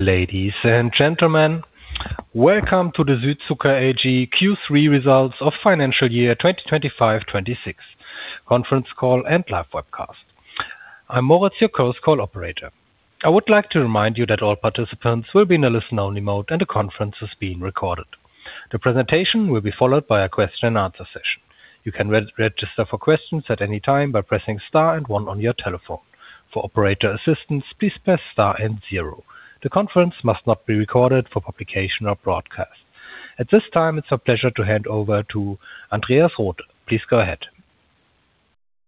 Ladies and gentlemen, welcome to the Südzucker AG Q3 results of financial year 2025-2026 conference call and live webcast. I'm Moritz, your host call operator. I would like to remind you that all participants will be in a listen-only mode and the conference is being recorded. The presentation will be followed by a question-and-answer session. You can register for questions at any time by pressing star and one on your telephone. For operator assistance, please press star and zero. The conference must not be recorded for publication or broadcast. At this time, it's our pleasure to hand over to Andreas Rothe. Please go ahead.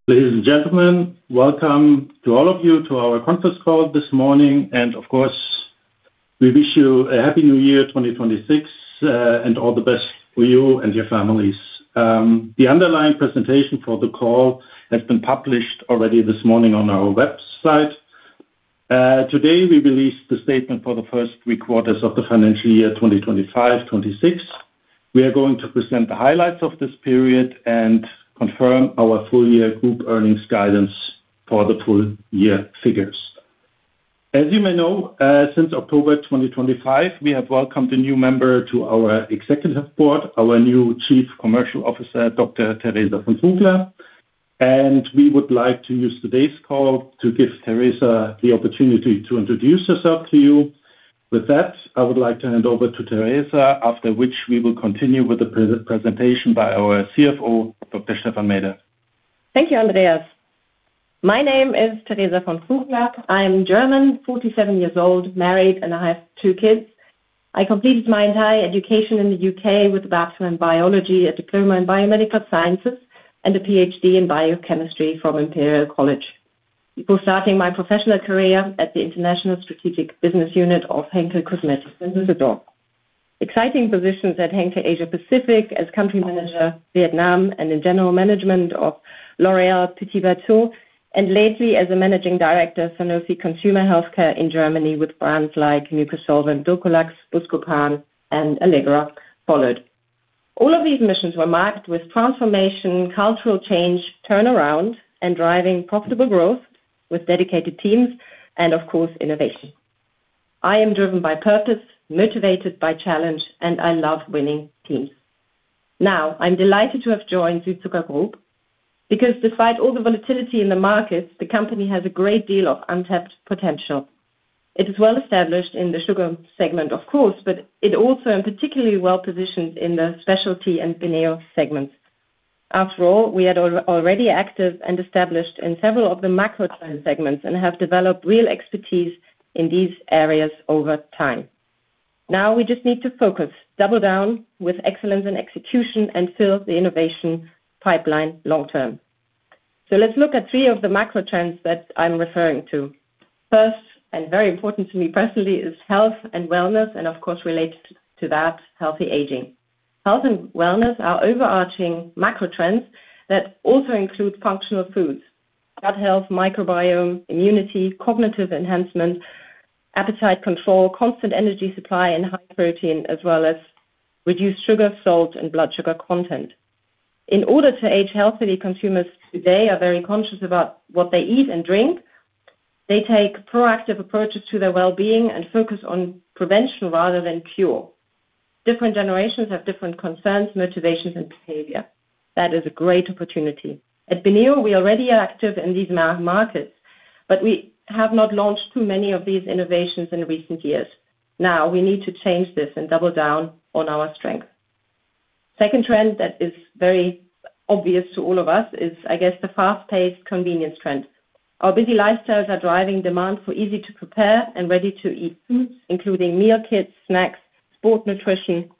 Ladies and gentlemen, welcome to all of you to our conference call this morning, and of course, we wish you a Happy New Year 2026 and all the best for you and your families. The underlying presentation for the call has been published already this morning on our website. Today, we released the statement for the first three quarters of the financial year 2025-2026. We are going to present the highlights of this period and confirm our full-year group earnings guidance for the full-year figures. As you may know, since October 2025, we have welcomed a new member to our executive board, our new Chief Commercial Officer, Dr. Theresa von Fugler, and we would like to use today's call to give Theresa the opportunity to introduce herself to you. With that, I would like to hand over to Theresa, after which we will continue with the presentation by our CFO, Dr. Stephan Meeder. Thank you, Andreas. My name is Theresa von Fugler. I'm German, 47 years old, married, and I have two kids. I completed my entire education in the U.K. with a Bachelor in Biology at the Diploma in Biomedical Sciences and a PhD in Biochemistry from Imperial College. Before starting my professional career at the International Strategic Business Unit of Henkel Cosmetics in Düsseldorf, exciting positions at Henkel Asia Pacific as country manager, Vietnam, and in general management of L'Oréal, Petit Bateau, and lately as a managing director for Sanofi Consumer Healthcare in Germany with brands like Mucosolvan, Dulcolax, Buscopan, and Allegra followed. All of these missions were marked with transformation, cultural change, turnaround, and driving profitable growth with dedicated teams and, of course, innovation. I am driven by purpose, motivated by challenge, and I love winning teams. Now, I'm delighted to have joined Südzucker Group because despite all the volatility in the markets, the company has a great deal of untapped potential. It is well established in the sugar segment, of course, but it also is particularly well positioned in the specialty and BENEO segments. After all, we are already active and established in several of the macro trend segments and have developed real expertise in these areas over time. Now, we just need to focus, double down with excellence and execution, and fill the innovation pipeline long term. So let's look at three of the macro trends that I'm referring to. First, and very important to me personally, is health and wellness, and of course, related to that, healthy aging. Health and wellness are overarching macro trends that also include functional foods, gut health, microbiome, immunity, cognitive enhancement, appetite control, constant energy supply, and high protein, as well as reduced sugar, salt, and blood sugar content. In order to age healthily, consumers today are very conscious about what they eat and drink. They take proactive approaches to their well-being and focus on prevention rather than cure. Different generations have different concerns, motivations, and behavior. That is a great opportunity. At BENEO, we are already active in these markets, but we have not launched too many of these innovations in recent years. Now, we need to change this and double down on our strength. The second trend that is very obvious to all of us is, I guess, the fast-paced convenience trend. Our busy lifestyles are driving demand for easy-to-prepare and ready-to-eat foods, including meal kits, snacks, sport nutrition,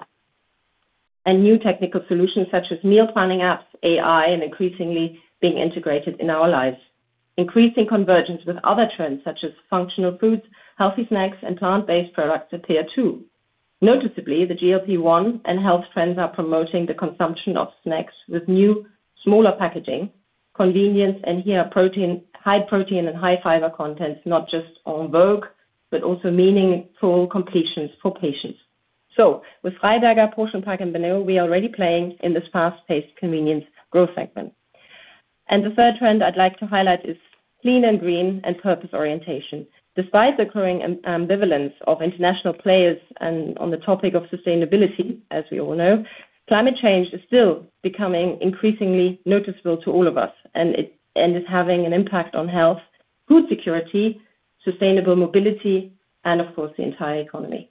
and new technical solutions such as meal planning apps, AI, and increasingly being integrated in our lives. Increasing convergence with other trends such as functional foods, healthy snacks, and plant-based products appear too. Noticeably, the GLP-1 and health trends are promoting the consumption of snacks with new, smaller packaging, convenience, and here high protein and high fiber contents, not just en vogue, but also meaningful complements for patients. So, with Freiberger, PortionPack and BENEO, we are already playing in this fast-paced convenience growth segment. And the third trend I'd like to highlight is clean and green and purpose orientation. Despite the growing ambivalence of international players on the topic of sustainability, as we all know, climate change is still becoming increasingly noticeable to all of us and is having an impact on health, food security, sustainable mobility, and of course, the entire economy.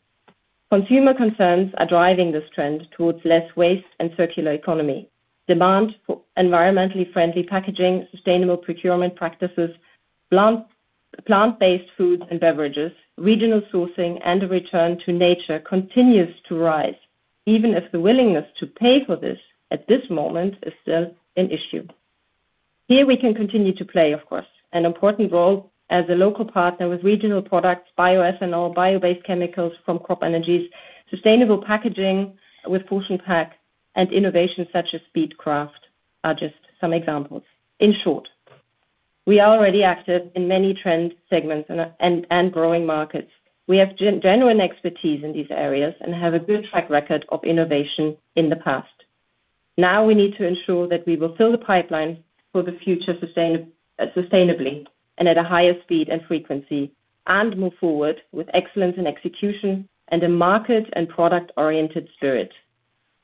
Consumer concerns are driving this trend towards less waste and circular economy. Demand for environmentally friendly packaging, sustainable procurement practices, plant-based foods and beverages, regional sourcing, and a return to nature continues to rise, even if the willingness to pay for this at this moment is still an issue. Here we can continue to play, of course, an important role as a local partner with regional products, bioethanol, bio-based chemicals from CropEnergies, sustainable packaging with PortionPack, and innovations such as Speedcraft are just some examples. In short, we are already active in many trend segments and growing markets. We have genuine expertise in these areas and have a good track record of innovation in the past. Now, we need to ensure that we will fill the pipeline for the future sustainably and at a higher speed and frequency and move forward with excellence and execution and a market and product-oriented spirit.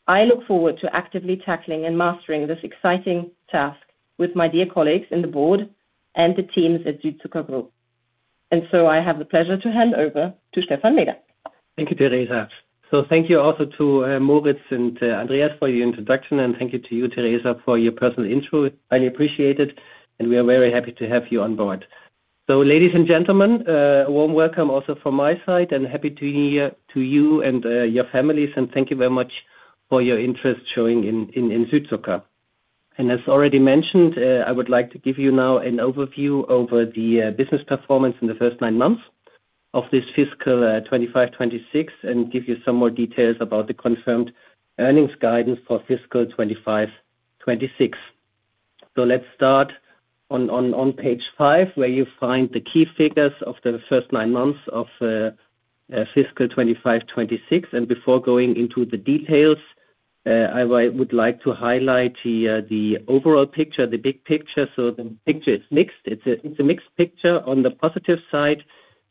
I look forward to actively tackling and mastering this exciting task with my dear colleagues in the board and the teams at Südzucker Group. And so I have the pleasure to hand over to Stephan Meeder. Thank you, Theresa. Thank you also to Moritz and Andreas for your introduction, and thank you to you, Theresa, for your personal intro. I really appreciate it, and we are very happy to have you on board. Ladies and gentlemen, a warm welcome also from my side, and happy holidays to you and your families, and thank you very much for your interest shown in Südzucker. As already mentioned, I would like to give you now an overview of the business performance in the first nine months of this fiscal 2025-2026 and give you some more details about the confirmed earnings guidance for fiscal 2025-2026. Let's start on page five, where you find the key figures of the first nine months of fiscal 2025-2026. Before going into the details, I would like to highlight the overall picture, the big picture. So the picture is mixed. It's a mixed picture. On the positive side,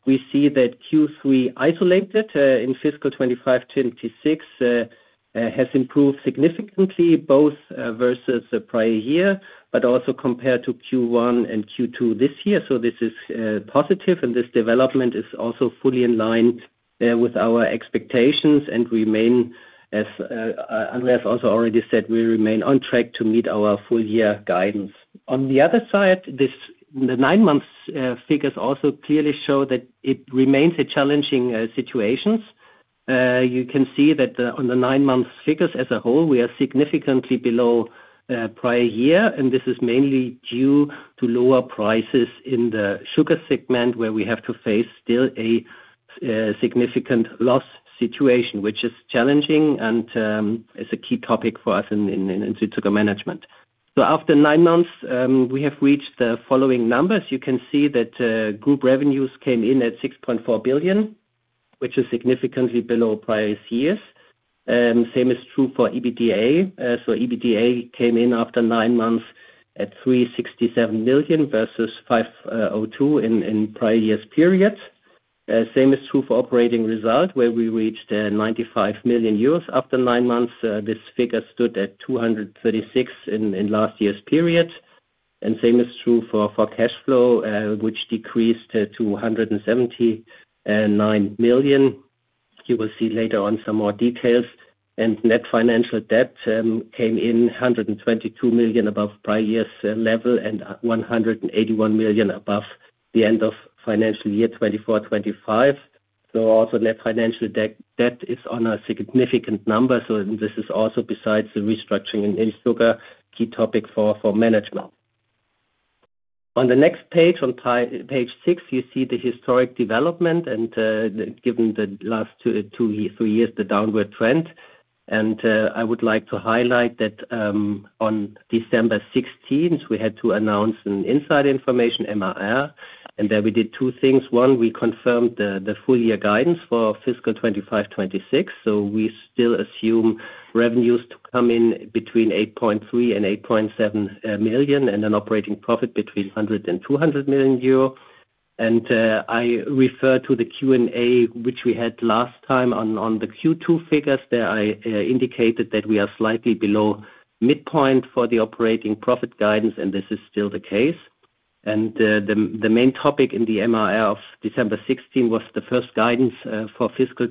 we see that Q3 isolated in fiscal 2025-2026 has improved significantly both versus the prior year, but also compared to Q1 and Q2 this year. So this is positive, and this development is also fully in line with our expectations, and we remain, as Andreas also already said, we remain on track to meet our full-year guidance. On the other side, the nine-month figures also clearly show that it remains a challenging situation. You can see that on the nine-month figures as a whole, we are significantly below prior year, and this is mainly due to lower prices in the sugar segment, where we have to face still a significant loss situation, which is challenging and is a key topic for us in Südzucker management. So after nine months, we have reached the following numbers. You can see that group revenues came in at 6.4 billion, which is significantly below prior years. Same is true for EBITDA. So EBITDA came in after nine months at 367 million versus 502 million in prior year's period. Same is true for operating result, where we reached 95 million euros after nine months. This figure stood at 236 million in last year's period. And same is true for cash flow, which decreased to 179 million. You will see later on some more details. And net financial debt came in 122 million above prior year's level and 181 million above the end of financial year 2024-2025. So also net financial debt is on a significant number. So this is also besides the restructuring in Südzucker, key topic for management. On the next page, on page six, you see the historic development, and given the last three years, the downward trend. I would like to highlight that on December 16th, we had to announce an inside information, MAR, and there we did two things. One, we confirmed the full-year guidance for fiscal 2025-2026. We still assume revenues to come in between 8.3 billion and 8.7 billion and an operating profit between 100 million and 200 million euro. I refer to the Q&A, which we had last time on the Q2 figures. There I indicated that we are slightly below midpoint for the operating profit guidance, and this is still the case. The main topic in the MAR of December 16 was the first guidance for fiscal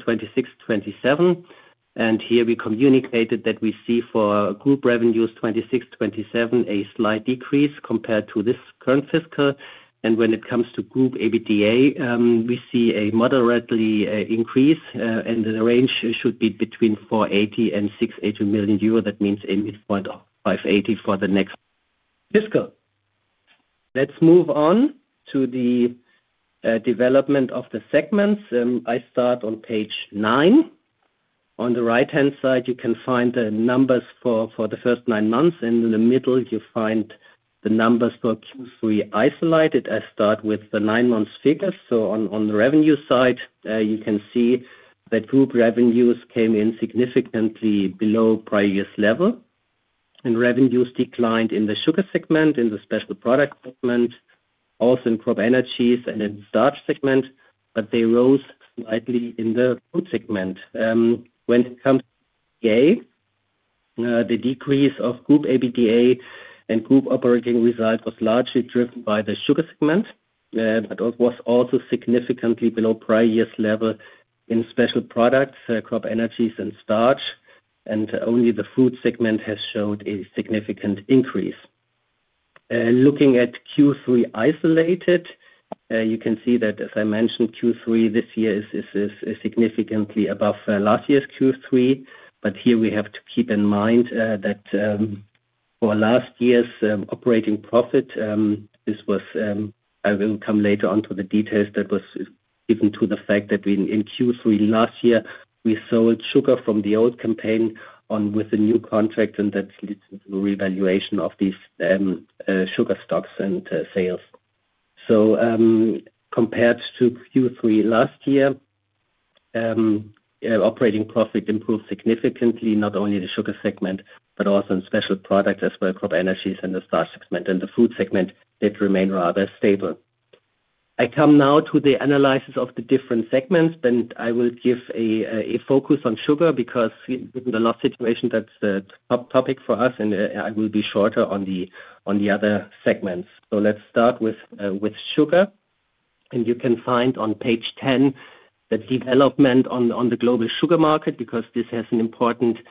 2026-2027. Here we communicated that we see for group revenues 2026-2027 a slight decrease compared to this current fiscal. When it comes to group EBITDA, we see a moderate increase, and the range should be between 480 million and 680 million euro. That means a midpoint of 580 for the next fiscal. Let's move on to the development of the segments. I start on page nine. On the right-hand side, you can find the numbers for the first nine months, and in the middle, you find the numbers for Q3 isolated. I start with the nine-month figures. So on the revenue side, you can see that group revenues came in significantly below prior year's level, and revenues declined in the sugar segment, in the special product segment, also in CropEnergies and in the starch segment, but they rose slightly in the fruit segment. When it comes to EBITDA, the decrease of group EBITDA and group operating result was largely driven by the sugar segment, but was also significantly below prior year's level in special products, CropEnergies and starch, and only the fruit segment has showed a significant increase. Looking at Q3 isolated, you can see that, as I mentioned, Q3 this year is significantly above last year's Q3, but here we have to keep in mind that for last year's operating profit, this was, I will come later on to the details, that was due to the fact that in Q3 last year, we sold sugar from the old campaign with a new contract, and that's the revaluation of these sugar stocks and sales. So compared to Q3 last year, operating profit improved significantly, not only the sugar segment, but also in special products as well as CropEnergies and the starch segment, and the fruit segment did remain rather stable. I come now to the analysis of the different segments, then I will give a focus on sugar because in the last situation, that's the top topic for us, and I will be shorter on the other segments. Let's start with sugar. You can find on page 10 the development on the global sugar market because this has an important impact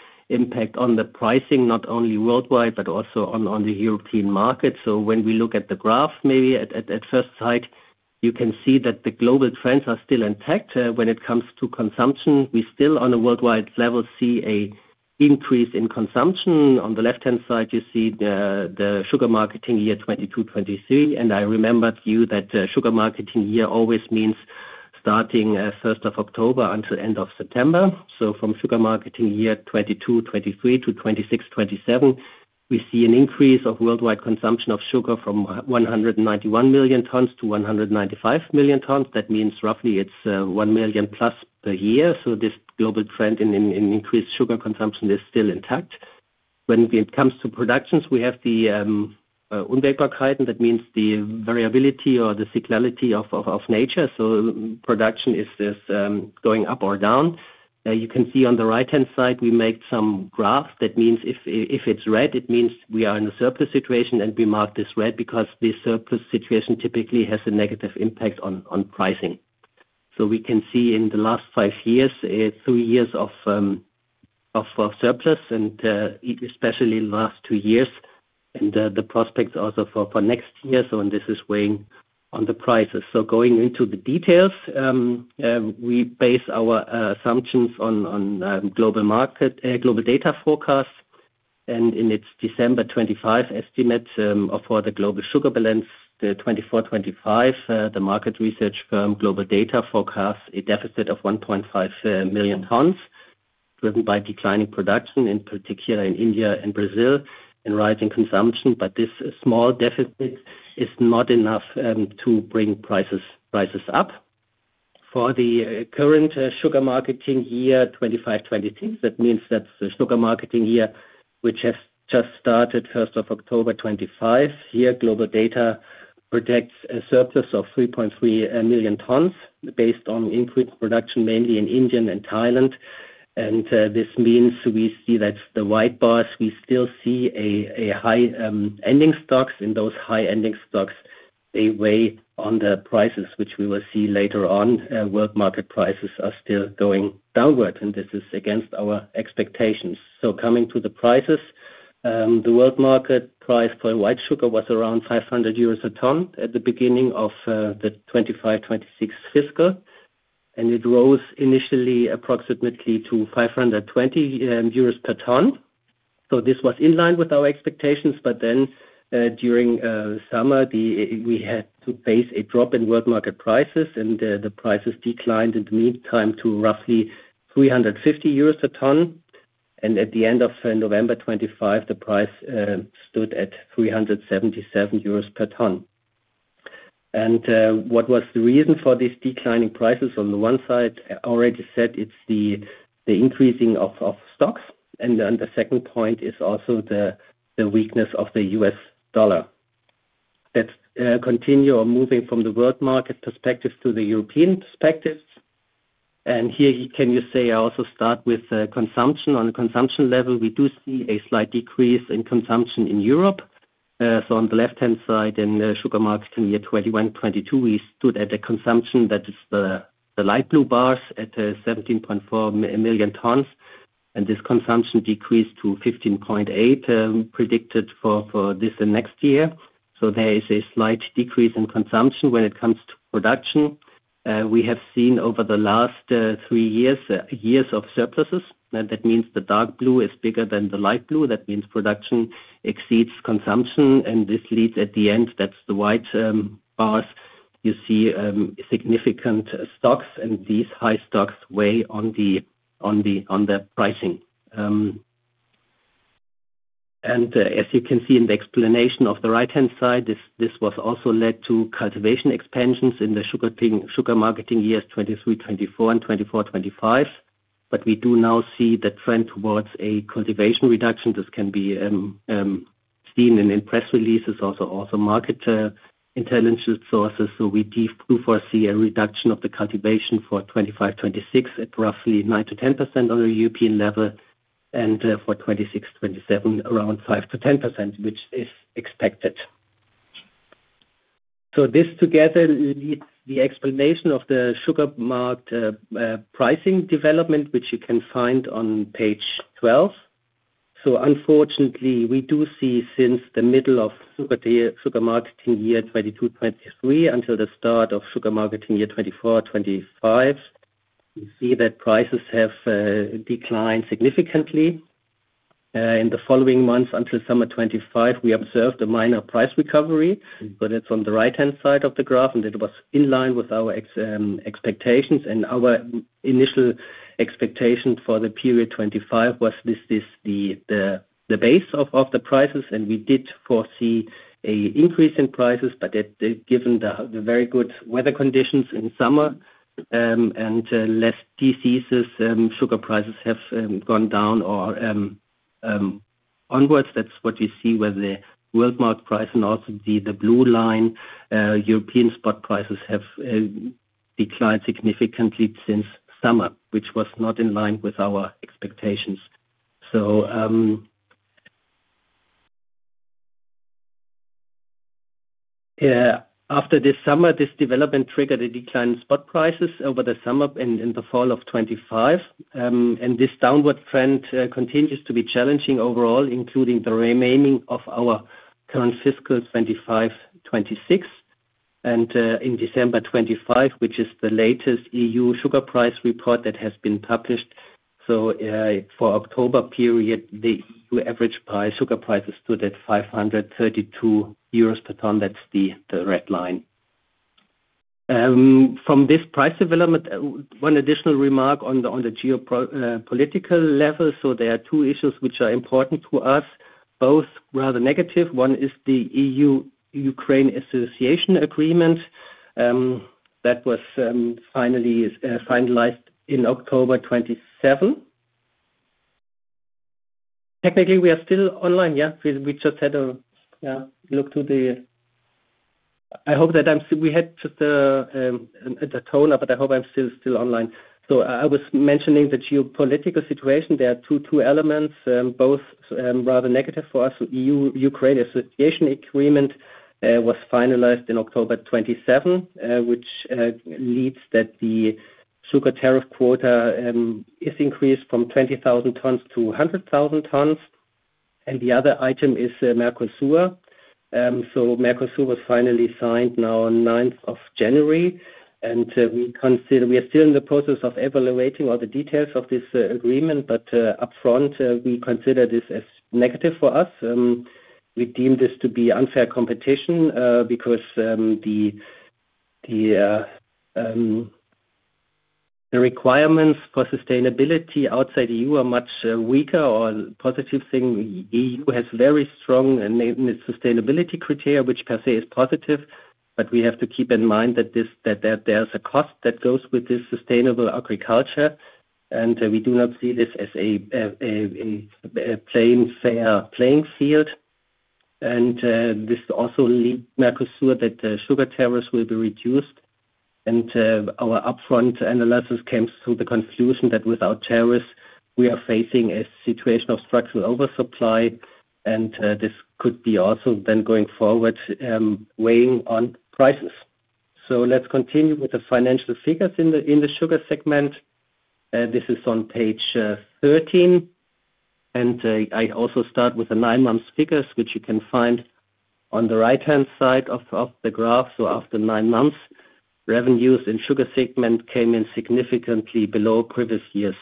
on the pricing, not only worldwide, but also on the European market. When we look at the graph, maybe at first sight, you can see that the global trends are still intact. When it comes to consumption, we still on a worldwide level see an increase in consumption. On the left-hand side, you see the sugar marketing year 2022-2023, and I reminded you that sugar marketing year always means starting 1st of October until end of September. From sugar marketing year 2022-2023 to 2026-2027, we see an increase of worldwide consumption of sugar from 191 million tons to 195 million tons. That means roughly it's one million plus per year. This global trend in increased sugar consumption is still intact. When it comes to productions, we have the unwavering guidance, that means the variability or the cyclicality of nature. Production is going up or down. You can see on the right-hand side, we have some graphs. That means if it's red, it means we are in a surplus situation, and we mark it red because this surplus situation typically has a negative impact on pricing. We can see in the last five years, three years of surplus, and especially the last two years, and the prospects also for next year. This is weighing on the prices. So going into the details, we base our assumptions on global market, GlobalData forecasts, and in its December 2025 estimate for the global sugar balance, the 2024-2025, the market research firm GlobalData forecasts a deficit of 1.5 million tons driven by declining production, in particular in India and Brazil, and rising consumption. But this small deficit is not enough to bring prices up. For the current sugar marketing year 2025-2026, that means that's the sugar marketing year, which has just started 1st of October 2025. Here, GlobalData projects a surplus of 3.3 million tons based on increased production, mainly in India and Thailand. And this means we see that the white bars, we still see a high ending stocks. In those high ending stocks, they weigh on the prices, which we will see later on. World market prices are still going downward, and this is against our expectations. Coming to the prices, the world market price for white sugar was around 500 euros a ton at the beginning of the 2025-2026 fiscal, and it rose initially approximately to 520 euros per ton. This was in line with our expectations, but then during summer, we had to face a drop in world market prices, and the prices declined in the meantime to roughly 350 euros a ton. At the end of November 2025, the price stood at 377 euros per ton. What was the reason for these declining prices? On the one side, I already said it's the increasing of stocks, and the second point is also the weakness of the U.S. dollar. Let's continue on moving from the world market perspective to the European perspective. Here I can say I also start with consumption. On the consumption level, we do see a slight decrease in consumption in Europe. On the left-hand side in the sugar market in year 2021-2022, we stood at a consumption that is the light blue bars at 17.4 million tons, and this consumption decreased to 15.8 predicted for this and next year. There is a slight decrease in consumption when it comes to production. We have seen over the last three years of surpluses, and that means the dark blue is bigger than the light blue. That means production exceeds consumption, and this leads at the end, that's the white bars, you see significant stocks, and these high stocks weigh on the pricing. As you can see in the explanation of the right-hand side, this also led to cultivation expansions in the sugar marketing years 2023-2024 and 2024-2025, but we do now see the trend towards a cultivation reduction. This can be seen in press releases, also market intelligence sources. We do foresee a reduction of the cultivation for 2025-2026 at roughly 9%-10% on the European level, and for 2026-2027, around 5%-10%, which is expected. This together leads to the explanation of the sugar market pricing development, which you can find on page 12. Unfortunately, we do see since the middle of sugar marketing year 2022-2023 until the start of sugar marketing year 2024-2025, we see that prices have declined significantly. In the following months until summer 2025, we observed a minor price recovery. So that's on the right-hand side of the graph, and it was in line with our expectations. Our initial expectation for the period 2025 was this is the base of the prices, and we did foresee an increase in prices, but given the very good weather conditions in summer and less diseases, sugar prices have gone down or onwards. That's what you see with the world market price and also the blue line. European spot prices have declined significantly since summer, which was not in line with our expectations. After this summer, this development triggered a decline in spot prices over the summer and in the fall of 2025. This downward trend continues to be challenging overall, including the remaining of our current fiscal 2025-2026. In December 25, which is the latest EU sugar price report that has been published, so for October period, the EU average sugar prices stood at 532 euros per ton. That's the red line. From this price development, one additional remark on the geopolitical level. There are two issues which are important to us, both rather negative. One is the EU-Ukraine Association Agreement that was finally finalized in October 27, which leads that the sugar tariff quota is increased from 20,000 tons to 100,000 tons. And the other item is Mercosur. So Mercosur was finally signed now on 9th of January, and we are still in the process of evaluating all the details of this agreement, but upfront, we consider this as negative for us. We deem this to be unfair competition because the requirements for sustainability outside the EU are much weaker or positive thing. The EU has very strong sustainability criteria, which per se is positive, but we have to keep in mind that there's a cost that goes with this sustainable agriculture, and we do not see this as a plain fair playing field. And this also leads Mercosur that sugar tariffs will be reduced. And our upfront analysis comes to the conclusion that without tariffs, we are facing a situation of structural oversupply, and this could be also then going forward weighing on prices. So let's continue with the financial figures in the sugar segment. This is on page 13, and I also start with the nine-month figures, which you can find on the right-hand side of the graph. So after nine months, revenues in sugar segment came in significantly below previous year's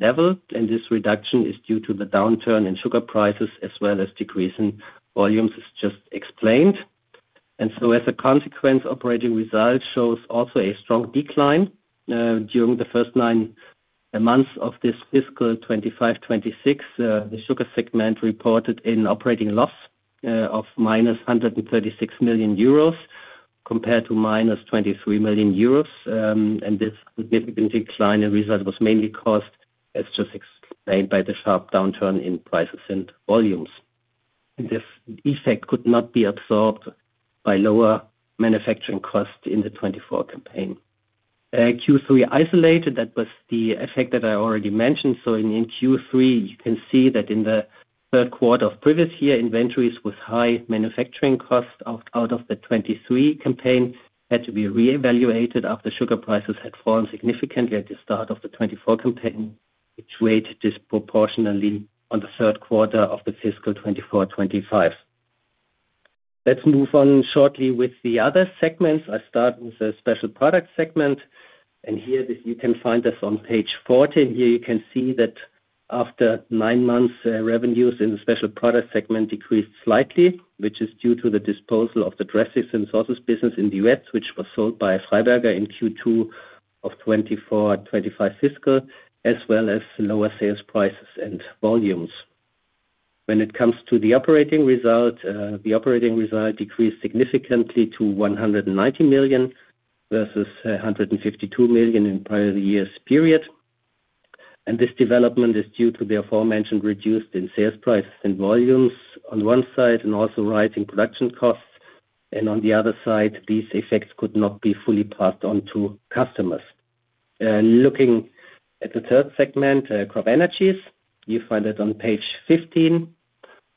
level, and this reduction is due to the downturn in sugar prices as well as decrease in volumes as just explained. And so as a consequence, operating result shows also a strong decline. During the first nine months of this fiscal 2025-2026, the sugar segment reported an operating loss of -136 million euros compared to -23 million euros, and this significant decline in result was mainly caused, as just explained, by the sharp downturn in prices and volumes. This effect could not be absorbed by lower manufacturing costs in the 24 campaign. Q3 isolated, that was the effect that I already mentioned. So in Q3, you can see that in the third quarter of previous year, inventories with high manufacturing costs out of the 2023 campaign had to be reevaluated after sugar prices had fallen significantly at the start of the 2024 campaign, which weighed disproportionately on the third quarter of the fiscal 2024-2025. Let's move on shortly with the other segments. I start with the special product segment, and here you can find this on page 14. Here you can see that after nine months, revenues in the special product segment decreased slightly, which is due to the disposal of the dressings and sauces business in the U.S., which was sold by Freiberger in Q2 of 2024-2025 fiscal, as well as lower sales prices and volumes. When it comes to the operating result, the operating result decreased significantly to 190 million versus 152 million in prior years' period. This development is due to the aforementioned reduction in sales prices and volumes on one side and also rising production costs. On the other side, these effects could not be fully passed on to customers. Looking at the third segment, CropEnergies, you find it on page 15.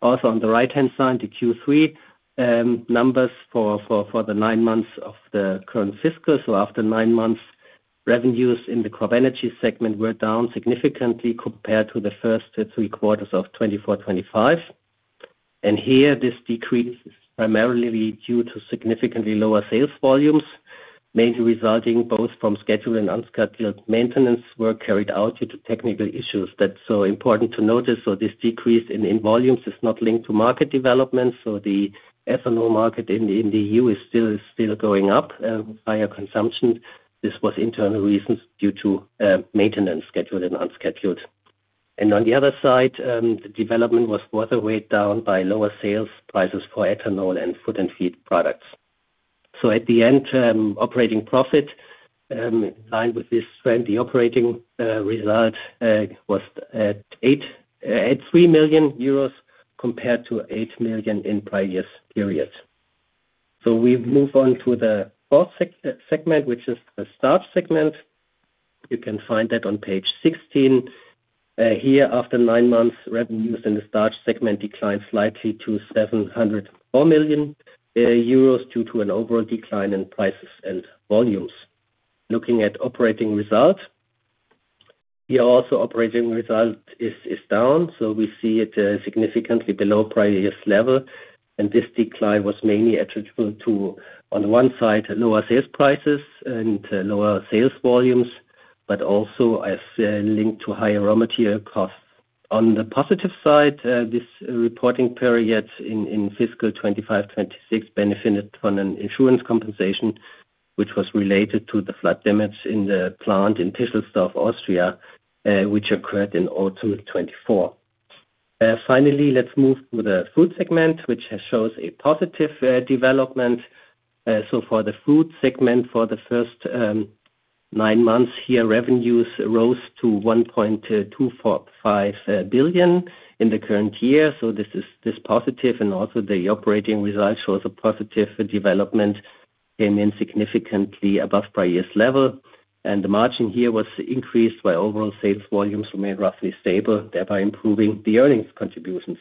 Also on the right-hand side, the Q3 numbers for the nine months of the current fiscal. After nine months, revenues in the CropEnergies segment were down significantly compared to the first three quarters of 2024-2025. Here this decrease is primarily due to significantly lower sales volumes, mainly resulting both from scheduled and unscheduled maintenance work carried out due to technical issues. That's so important to notice. This decrease in volumes is not linked to market development. The ethanol market in the EU is still going up with higher consumption. This was internal reasons due to maintenance scheduled and unscheduled, and on the other side, the development was further weighed down by lower sales prices for ethanol and food and feed products, so at the end, operating profit in line with this trend, the operating result was at 3 million euros compared to 8 million in prior years' period, so we move on to the fourth segment, which is the starch segment. You can find that on page 16. Here, after nine months, revenues in the starch segment declined slightly to 704 million euros due to an overall decline in prices and volumes. Looking at operating result, here also operating result is down, so we see it significantly below prior years' level, and this decline was mainly attributable to, on the one side, lower sales prices and lower sales volumes, but also as linked to higher raw material costs. On the positive side, this reporting period in fiscal 2025-2026 benefited from an insurance compensation, which was related to the flood damage in the plant in Pischelsdorf, Austria, which occurred in autumn 2024. Finally, let's move to the fruit segment, which shows a positive development. So for the fruit segment, for the first nine months here, revenues rose to 1.245 billion in the current year. So this is positive, and also the operating result shows a positive development, came in significantly above prior years' level, and the margin here was increased by overall sales volumes remained roughly stable, thereby improving the earnings contributions.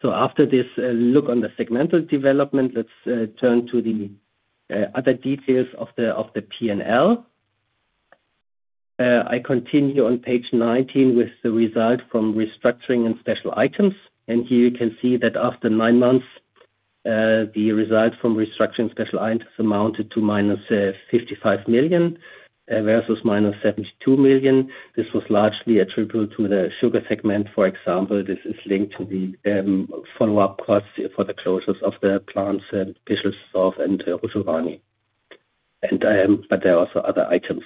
So after this look on the segmental development, let's turn to the other details of the P&L. I continue on page 19 with the result from restructuring and special items, and here you can see that after nine months, the result from restructuring special items amounted to -55 million versus -72 million. This was largely attributable to the sugar segment. For example, this is linked to the follow-up costs for the closures of the plants at Pischelsdorf and Hrušovany, but there are also other items.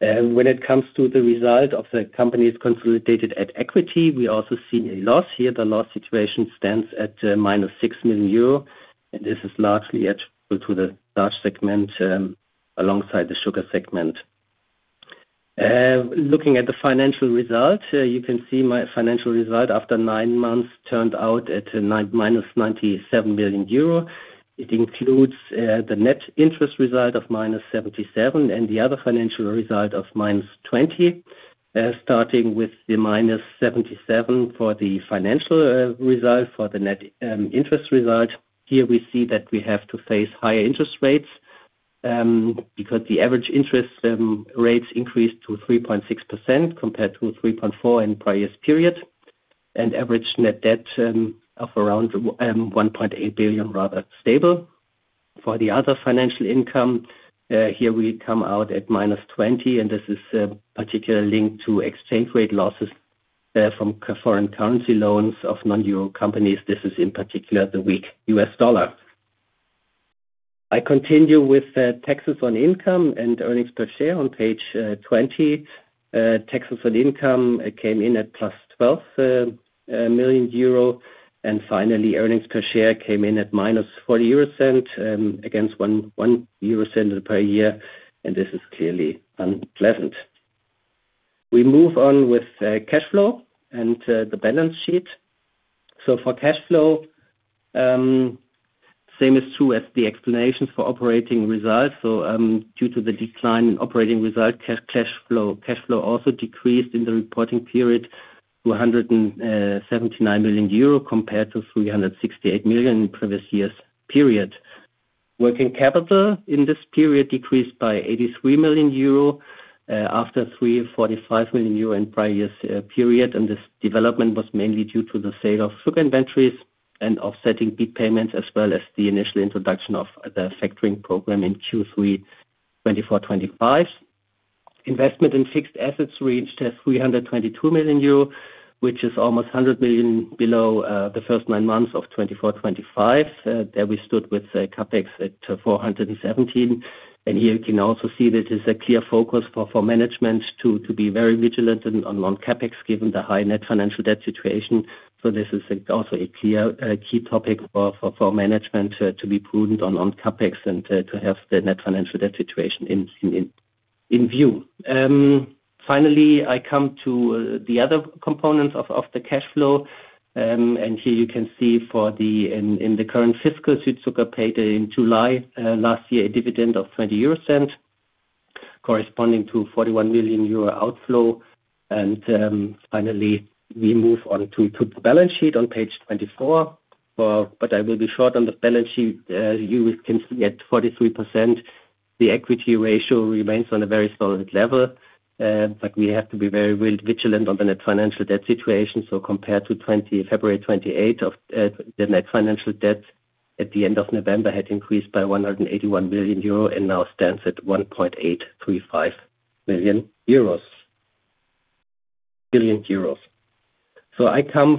When it comes to the result of the companies consolidated at equity, we also see a loss here. The loss situation stands at -6 million euro, and this is largely attributable to the starch segment alongside the sugar segment. Looking at the financial result, you can see my financial result after nine months turned out at -97 million euro. It includes the net interest result of -77 million and the other financial result of -20 million, starting with the -77 million for the financial result for the net interest result. Here we see that we have to face higher interest rates because the average interest rates increased to 3.6% compared to 3.4% in prior years' period, and average net debt of around 1.8 billion rather stable. For the other financial income, here we come out at -20 million, and this is particularly linked to exchange rate losses from foreign currency loans of non-euro companies. This is in particular the weak U.S. dollar. I continue with taxes on income and earnings per share on page 20. Taxes on income came in at +12 million euro, and finally, earnings per share came in at -0.40 against 0.01 per year, and this is clearly unpleasant. We move on with cash flow and the balance sheet. So for cash flow, same is true as the explanations for operating result. So due to the decline in operating result, cash flow also decreased in the reporting period to 179 million euro compared to 368 million in previous years' period. Working capital in this period decreased by 83 million euro after 345 million euro in prior years' period, and this development was mainly due to the sale of sugar inventories and offsetting beet payments as well as the initial introduction of the factoring program in Q3 2024-25. Investment in fixed assets reached 322 million euro, which is almost 100 million below the first nine months of 2024-2025. There we stood with CapEx at 417, and here you can also see that it is a clear focus for management to be very vigilant on CapEx given the high net financial debt situation. So this is also a clear key topic for management to be prudent on CapEx and to have the net financial debt situation in view. Finally, I come to the other components of the cash flow, and here you can see that in the current fiscal Südzucker paid in July last year a dividend of 0.20 corresponding to 41 million euro outflow. And finally, we move on to the balance sheet on page 24, but I will be short on the balance sheet. You can see at 43%, the equity ratio remains on a very solid level, but we have to be very vigilant on the net financial debt situation. So compared to February 28, the net financial debt at the end of November had increased by 181 million euro and now stands at 1.835 million euros. So I come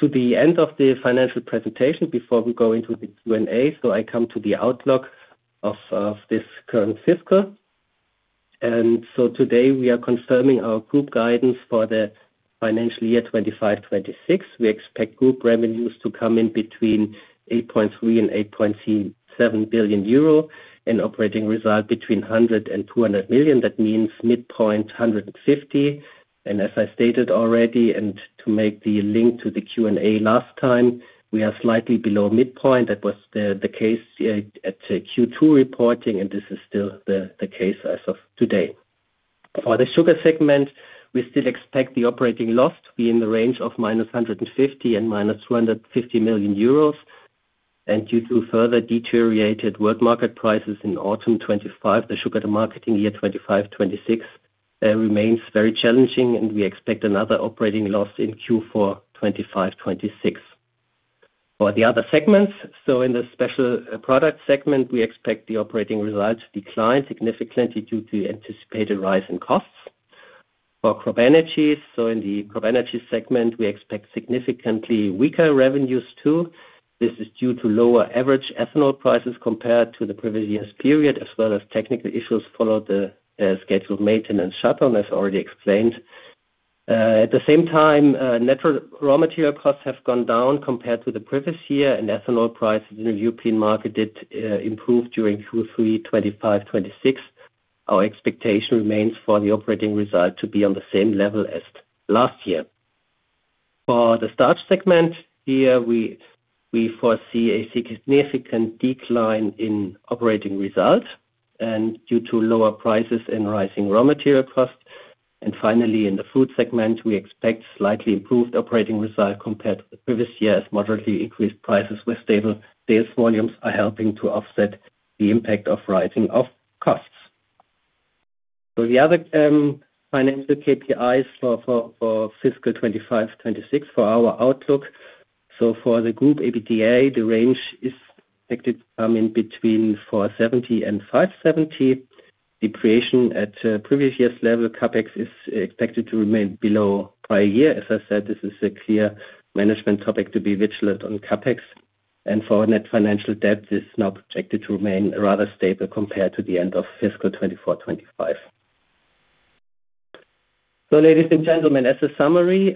to the end of the financial presentation before we go into the Q&A. So I come to the outlook of this current fiscal. And so today we are confirming our group guidance for the financial year 2025-2026. We expect group revenues to come in between 8.3 billion and 8.7 billion euro and operating result between 100 million and 200 million. That means midpoint 150 million. And as I stated already, and to make the link to the Q&A last time, we are slightly below midpoint. That was the case at Q2 reporting, and this is still the case as of today. For the sugar segment, we still expect the operating loss to be in the range of -150 million euros and -250 million euros. Due to further deteriorated world market prices in autumn 2025, the sugar marketing year 2025-2026 remains very challenging, and we expect another operating loss in Q4 2025-2026. For the other segments, so in the special products segment, we expect the operating result to decline significantly due to anticipated rise in costs. For CropEnergies, so in the CropEnergies segment, we expect significantly weaker revenues too. This is due to lower average ethanol prices compared to the previous years' period, as well as technical issues followed the scheduled maintenance shutdown, as already explained. At the same time, natural raw material costs have gone down compared to the previous year, and ethanol prices in the European market did improve during Q3 2025-2026. Our expectation remains for the operating result to be on the same level as last year. For the starch segment, here we foresee a significant decline in operating result due to lower prices and rising raw material costs. And finally, in the fruit segment, we expect slightly improved operating result compared to the previous year as moderately increased prices with stable sales volumes are helping to offset the impact of rising costs. So the other financial KPIs for fiscal 2025-2026 for our outlook. So for the group EBITDA, the range is expected to come in between 470 and 570. Depreciation at previous years' level, CapEx is expected to remain below prior year. As I said, this is a clear management topic to be vigilant on CapEx. And for net financial debt, it is now projected to remain rather stable compared to the end of fiscal 2024-2025. Ladies and gentlemen, as a summary,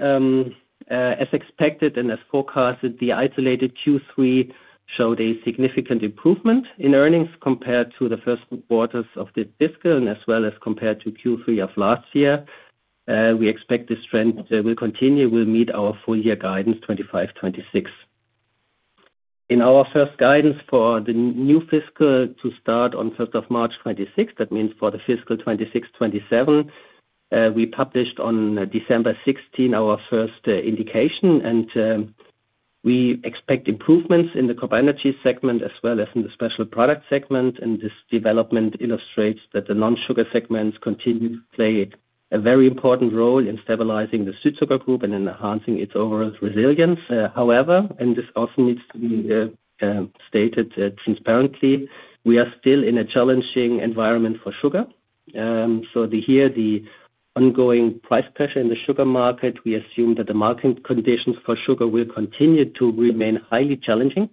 as expected and as forecasted, the isolated Q3 showed a significant improvement in earnings compared to the first quarters of the fiscal and as well as compared to Q3 of last year. We expect this trend will continue. We'll meet our full year guidance 2025-2026. In our first guidance for the new fiscal to start on 1st of March 2026, that means for the fiscal 2026-2027, we published on December 16 our first indication, and we expect improvements in the crop energy segment as well as in the special product segment. This development illustrates that the non-sugar segments continue to play a very important role in stabilizing the Südzucker Group and in enhancing its overall resilience. However, this also needs to be stated transparently, we are still in a challenging environment for sugar. The ongoing price pressure in the sugar market. We assume that the market conditions for sugar will continue to remain highly challenging,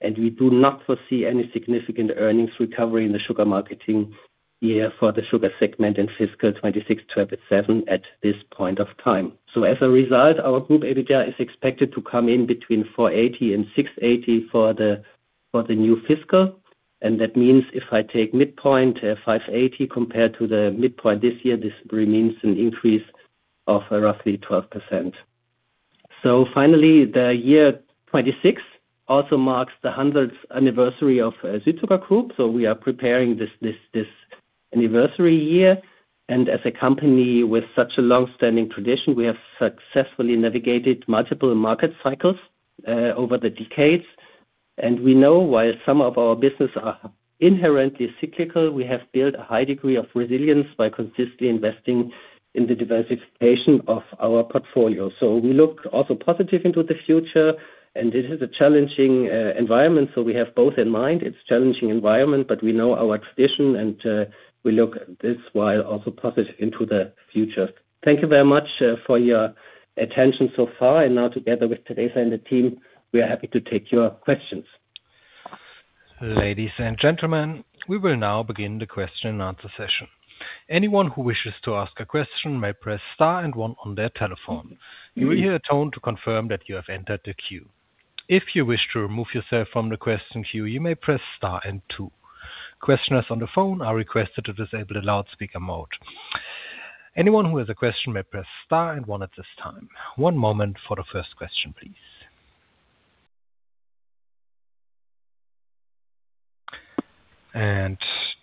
and we do not foresee any significant earnings recovery in the sugar marketing year for the sugar segment in fiscal 2026-2027 at this point of time. As a result, our group EBITDA is expected to come in between 480 million and 680 million for the new fiscal. That means if I take midpoint 580 million compared to the midpoint this year, this remains an increase of roughly 12%. Finally, the year 2026 also marks the 100th anniversary of Südzucker Group, so we are preparing this anniversary year. As a company with such a long-standing tradition, we have successfully navigated multiple market cycles over the decades. We know while some of our business are inherently cyclical, we have built a high degree of resilience by consistently investing in the diversification of our portfolio. So we look also positive into the future, and this is a challenging environment, so we have both in mind. It's a challenging environment, but we know our tradition, and we look at this while also positive into the future. Thank you very much for your attention so far, and now together with Theresa and the team, we are happy to take your questions. Ladies and gentlemen, we will now begin the question and answer session. Anyone who wishes to ask a question may press star and one on their telephone. You will hear a tone to confirm that you have entered the queue. If you wish to remove yourself from the question queue, you may press star and two. Questioners on the phone are requested to disable the loudspeaker mode. Anyone who has a question may press star and one at this time. One moment for the first question, please. And,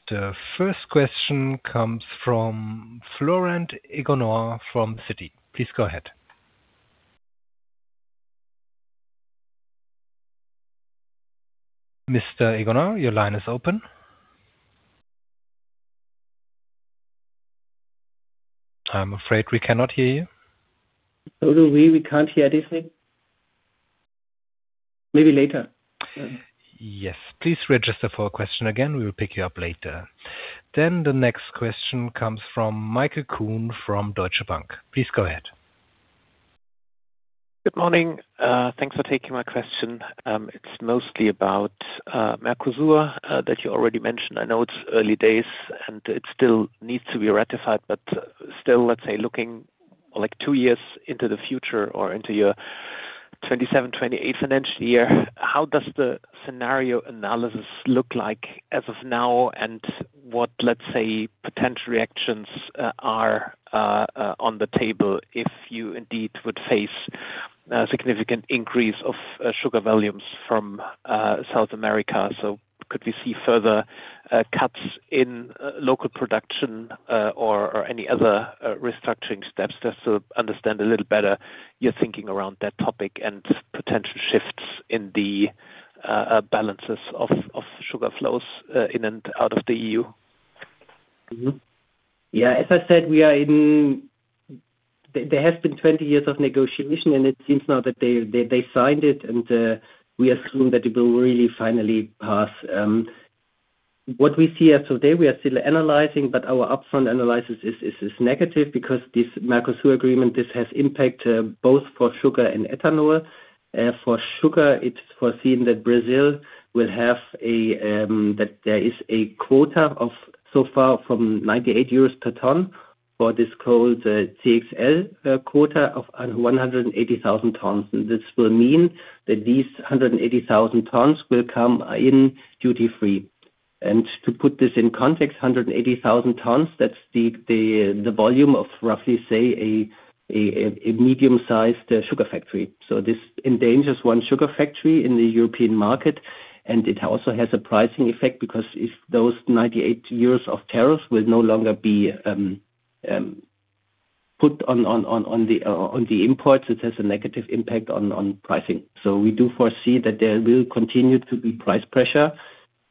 the first question comes from Florent Egonoir from Citi. Please go ahead. Mr. Egonoir, your line is open. I'm afraid we cannot hear you. So do we. We can't hear anything. Maybe later. Yes. Please register for a question again. We will pick you up later. Then, the next question comes from Michael Kuhn from Deutsche Bank. Please go ahead. Good morning. Thanks for taking my question. It's mostly about Mercosur that you already mentioned. I know it's early days, and it still needs to be ratified, but still, let's say, looking like two years into the future or into your 2027-2028 financial year, how does the scenario analysis look like as of now, and what, let's say, potential reactions are on the table if you indeed would face a significant increase of sugar volumes from South America? So could we see further cuts in local production or any other restructuring steps just to understand a little better your thinking around that topic and potential shifts in the balances of sugar flows in and out of the EU? Yeah. As I said, there has been 20 years of negotiation, and it seems now that they signed it, and we assume that it will really finally pass. What we see as of today, we are still analyzing, but our upfront analysis is negative because this Mercosur agreement has impact both for sugar and ethanol. For sugar, it's foreseen that Brazil will have a quota of so far from 98 euros per ton for this called CXL quota of 180,000 tons, and this will mean that these 180,000 tons will come in duty-free, and to put this in context, 180,000 tons, that's the volume of roughly, say, a medium-sized sugar factory, so this endangers one sugar factory in the European market, and it also has a pricing effect because if those EUR 98 of tariffs will no longer be put on the imports, it has a negative impact on pricing. So we do foresee that there will continue to be price pressure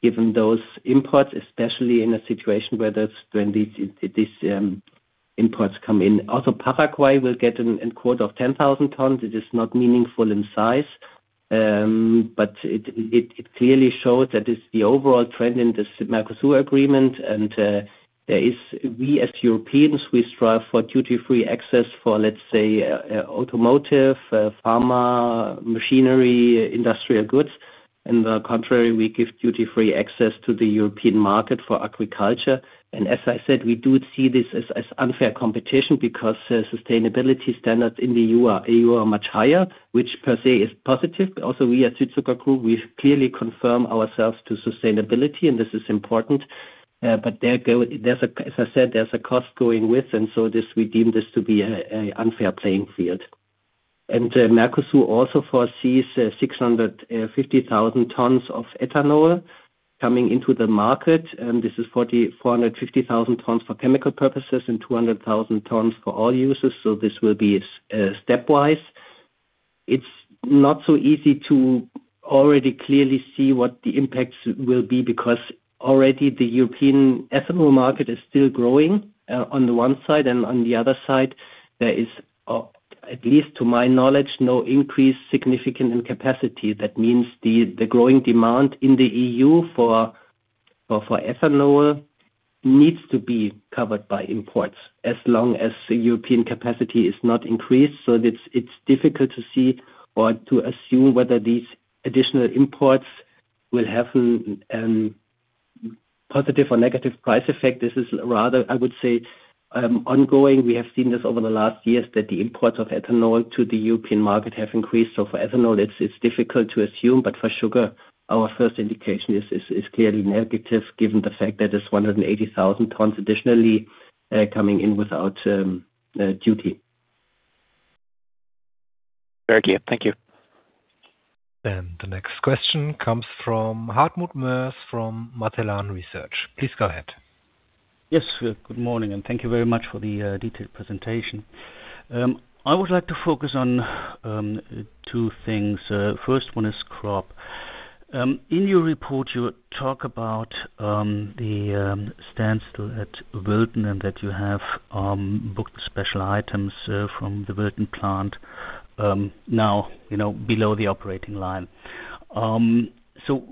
given those imports, especially in a situation where these imports come in. Also, Paraguay will get a quota of 10,000 tons. It is not meaningful in size, but it clearly shows that it's the overall trend in this Mercosur agreement. And there is, we as Europeans, we strive for duty-free access for, let's say, automotive, pharma, machinery, industrial goods. And the contrary, we give duty-free access to the European market for agriculture. And as I said, we do see this as unfair competition because sustainability standards in the EU are much higher, which per se is positive. Also, we at Südzucker Group, we clearly commit ourselves to sustainability, and this is important. But there's a, as I said, there's a cost going with, and so we deem this to be an unfair playing field. And Mercosur also foresees 650,000 tons of ethanol coming into the market. This is 450,000 tons for chemical purposes and 200,000 tons for all users. So this will be stepwise. It's not so easy to already clearly see what the impacts will be because already the European ethanol market is still growing on the one side, and on the other side, there is, at least to my knowledge, no increase significant in capacity. That means the growing demand in the EU for ethanol needs to be covered by imports as long as the European capacity is not increased. So it's difficult to see or to assume whether these additional imports will have a positive or negative price effect. This is rather, I would say, ongoing. We have seen this over the last years that the imports of ethanol to the European market have increased. So for ethanol, it's difficult to assume, but for sugar, our first indication is clearly negative given the fact that there's 180,000 tons additionally coming in without duty. Very clear. Thank you. Then the next question comes from Hartmut Moers from MATELAN Research. Please go ahead. Yes. Good morning, and thank you very much for the detailed presentation. I would like to focus on two things. First one is crop. In your report, you talk about the standstill at Wilton and that you have booked special items from the Wilton plant now below the operating line. So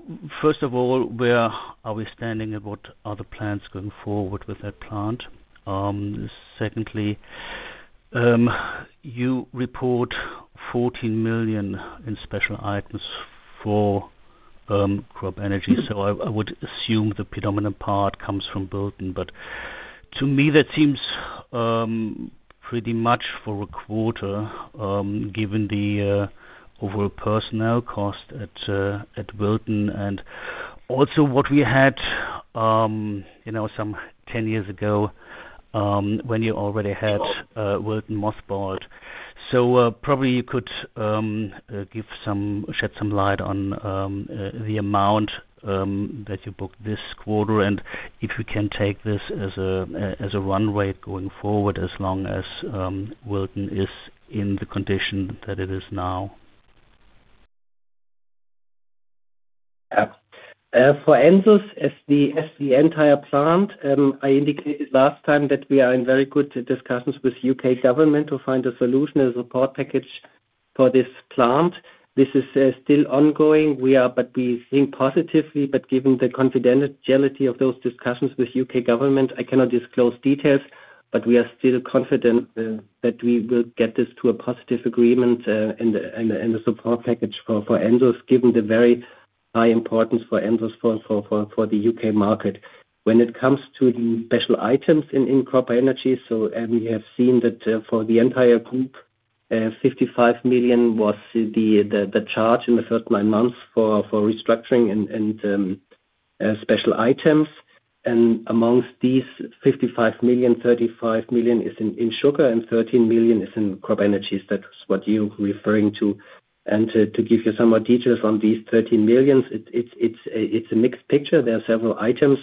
first of all, where are we standing and what are the plans going forward with that plant? Secondly, you report 14 million in special items for CropEnergies. So, I would assume the predominant part comes from Wilton, but to me, that seems pretty much for a quarter given the overall personnel cost at Wilton. And also what we had some 10 years ago when you already had Wilton mothballed. So, probably you could shed some light on the amount that you booked this quarter and if you can take this as a runway going forward as long as Wilton is in the condition that it is now. Yeah. For Ensus, as the entire plant, I indicated last time that we are in very good discussions with U.K. government to find a solution and support package for this plant. This is still ongoing, but we think positively. Given the confidentiality of those discussions with U.K. government, I cannot disclose details, but we are still confident that we will get this to a positive agreement and a support package for Ensus given the very high importance for Ensus for the U.K. market. When it comes to the special items in CropEnergies, we have seen that for the entire group, 55 million was the charge in the first nine months for restructuring and special items. Amongst these 55 million, 35 million is in sugar and 13 million is in CropEnergies. That's what you're referring to. To give you some more details on these 13 millions, it's a mixed picture. There are several items.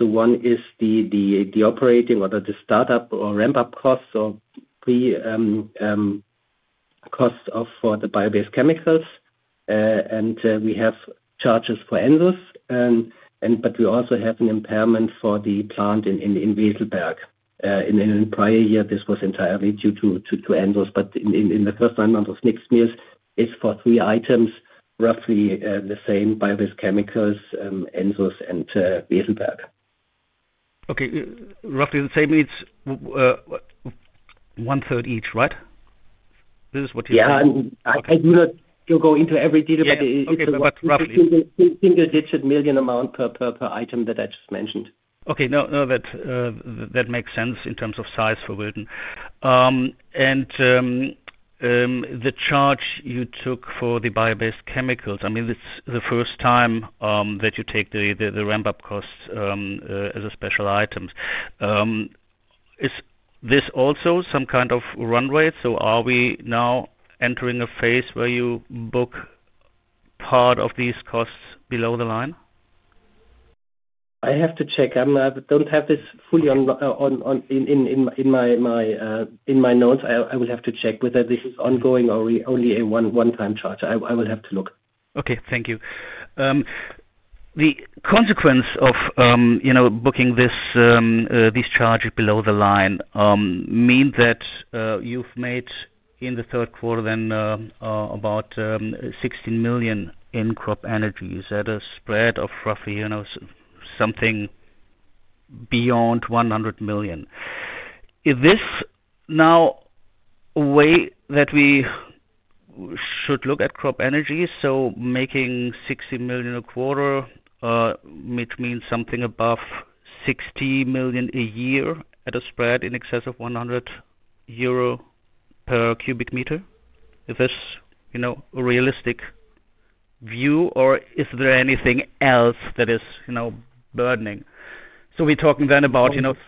One is the operating or the startup or ramp-up costs or costs for the bio-based chemicals. We have charges for Ensus, but we also have an impairment for the plant in Wilton. In the prior year, this was entirely due to Ensus, but in the first nine months the impairments are for three items, roughly the same: bio-based chemicals, Ensus and Wilton. Okay. Roughly the same means one-third each, right? This is what you're saying? Yeah. I do not go into every detail, but it's roughly single-digit million amount per item that I just mentioned. Okay. No, that makes sense in terms of size for Wilton. And the charge you took for the bio-based chemicals, I mean, it's the first time that you take the ramp-up costs as a special item. Is this also some kind of runway? So are we now entering a phase where you book part of these costs below the line? I have to check. I don't have this fully in my notes. I will have to check whether this is ongoing or only a one-time charge. I will have to look. Okay. Thank you. The consequence of booking these charges below the line means that you've made in the third quarter then about 16 million in CropEnergies. Is that a spread of roughly something beyond 100 million? Is this now a way that we should look at CropEnergies? So making 16 million a quarter, which means something above 60 million a year at a spread in excess of 100 euro per cubic meter. Is this a realistic view, or is there anything else that is burning? So we're talking then about the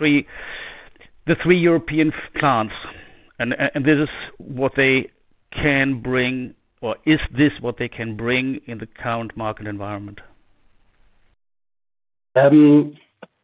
three European plants, and this is what they can bring, or is this what they can bring in the current market environment? As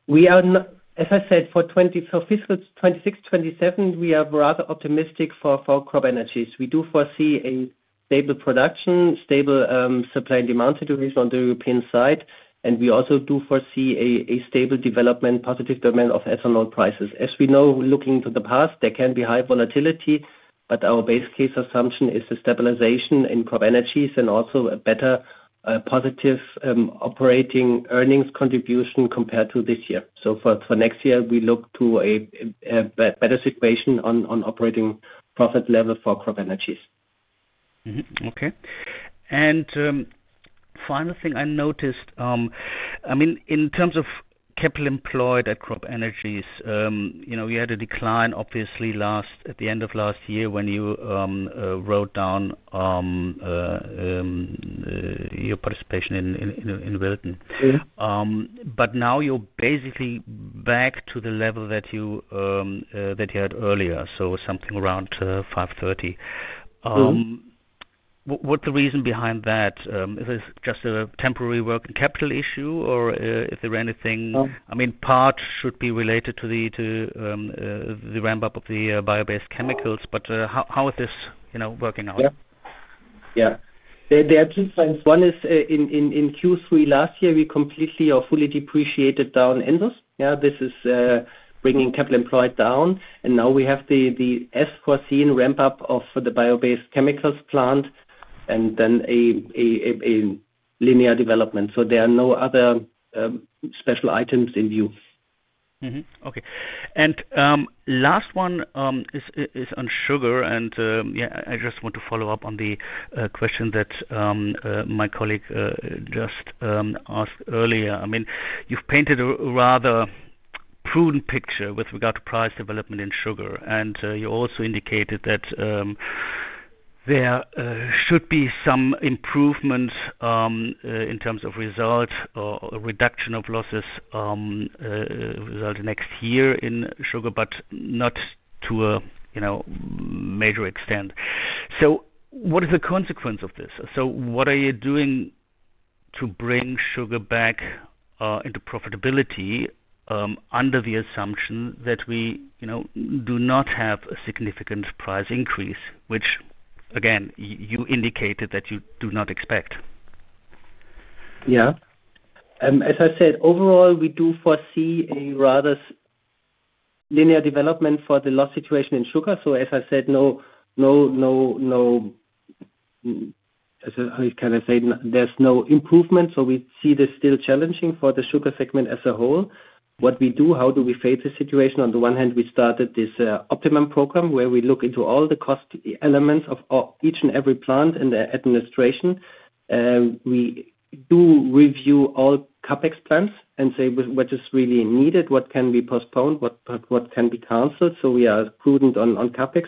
I said, for fiscal 2026, 2027, we are rather optimistic for CropEnergies. We do foresee a stable production, stable supply and demand situation on the European side, and we also do foresee a stable development, positive demand of ethanol prices. As we know, looking to the past, there can be high volatility, but our base case assumption is the stabilization in CropEnergies and also a better positive operating earnings contribution compared to this year. So for next year, we look to a better situation on operating profit level for CropEnergies. Okay. And final thing I noticed, I mean, in terms of capital employed at CropEnergies, you had a decline, obviously, at the end of last year when you wrote down your participation in Wilton. But now you're basically back to the level that you had earlier, so something around 530. What's the reason behind that? Is it just a temporary working capital issue, or is there anything? I mean, part should be related to the ramp-up of the bio-based chemicals, but how is this working out? Yeah. Yeah. There are two things. One is in Q3 last year, we completely or fully depreciated down Ensus. Yeah. This is bringing capital employed down, and now we have the as foreseen ramp-up of the bio-based chemicals plant and then a linear development. So there are no other special items in view. Okay. And last one is on sugar, and I just want to follow up on the question that my colleague just asked earlier. I mean, you've painted a rather prudent picture with regard to price development in sugar, and you also indicated that there should be some improvements in terms of result or reduction of losses resulting next year in sugar, but not to a major extent. So what is the consequence of this? So what are you doing to bring sugar back into profitability under the assumption that we do not have a significant price increase, which, again, you indicated that you do not expect? Yeah. As I said, overall, we do foresee a rather linear development for the loss situation in sugar. So as I said, no, I can say there's no improvement. So we see this still challenging for the sugar segment as a whole. What we do, how do we face the situation? On the one hand, we started this Optimum Program where we look into all the cost elements of each and every plant and their administration. We do review all CapExX plans and say what is really needed, what can be postponed, what can be canceled, so we are prudent on CapEx,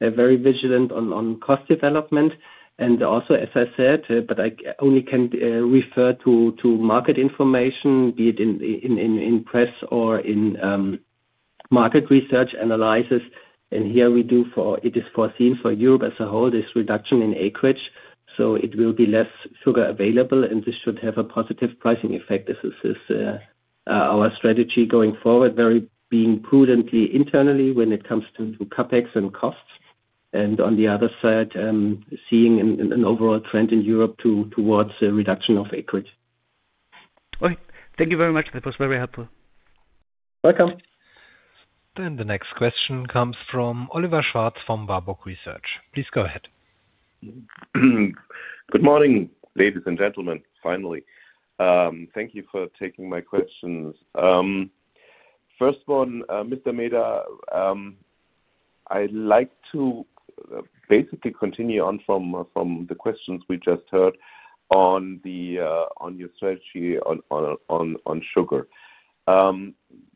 very vigilant on cost development and also, as I said, but I only can refer to market information, be it in press or in market research analysis and here we do, it is foreseen for Europe as a whole, this reduction in acreage, so it will be less sugar available and this should have a positive pricing effect. This is our strategy going forward, very being prudently internally when it comes to CapEx and costs and on the other side, seeing an overall trend in Europe towards a reduction of acreage. Okay. Thank you very much. That was very helpful. Welcome. Then the next question comes from Oliver Schwarz from Warburg Research. Please go ahead. Good morning, ladies and gentlemen, finally. Thank you for taking my questions. First one, Mr. Meeder, I'd like to basically continue on from the questions we just heard on your strategy on sugar.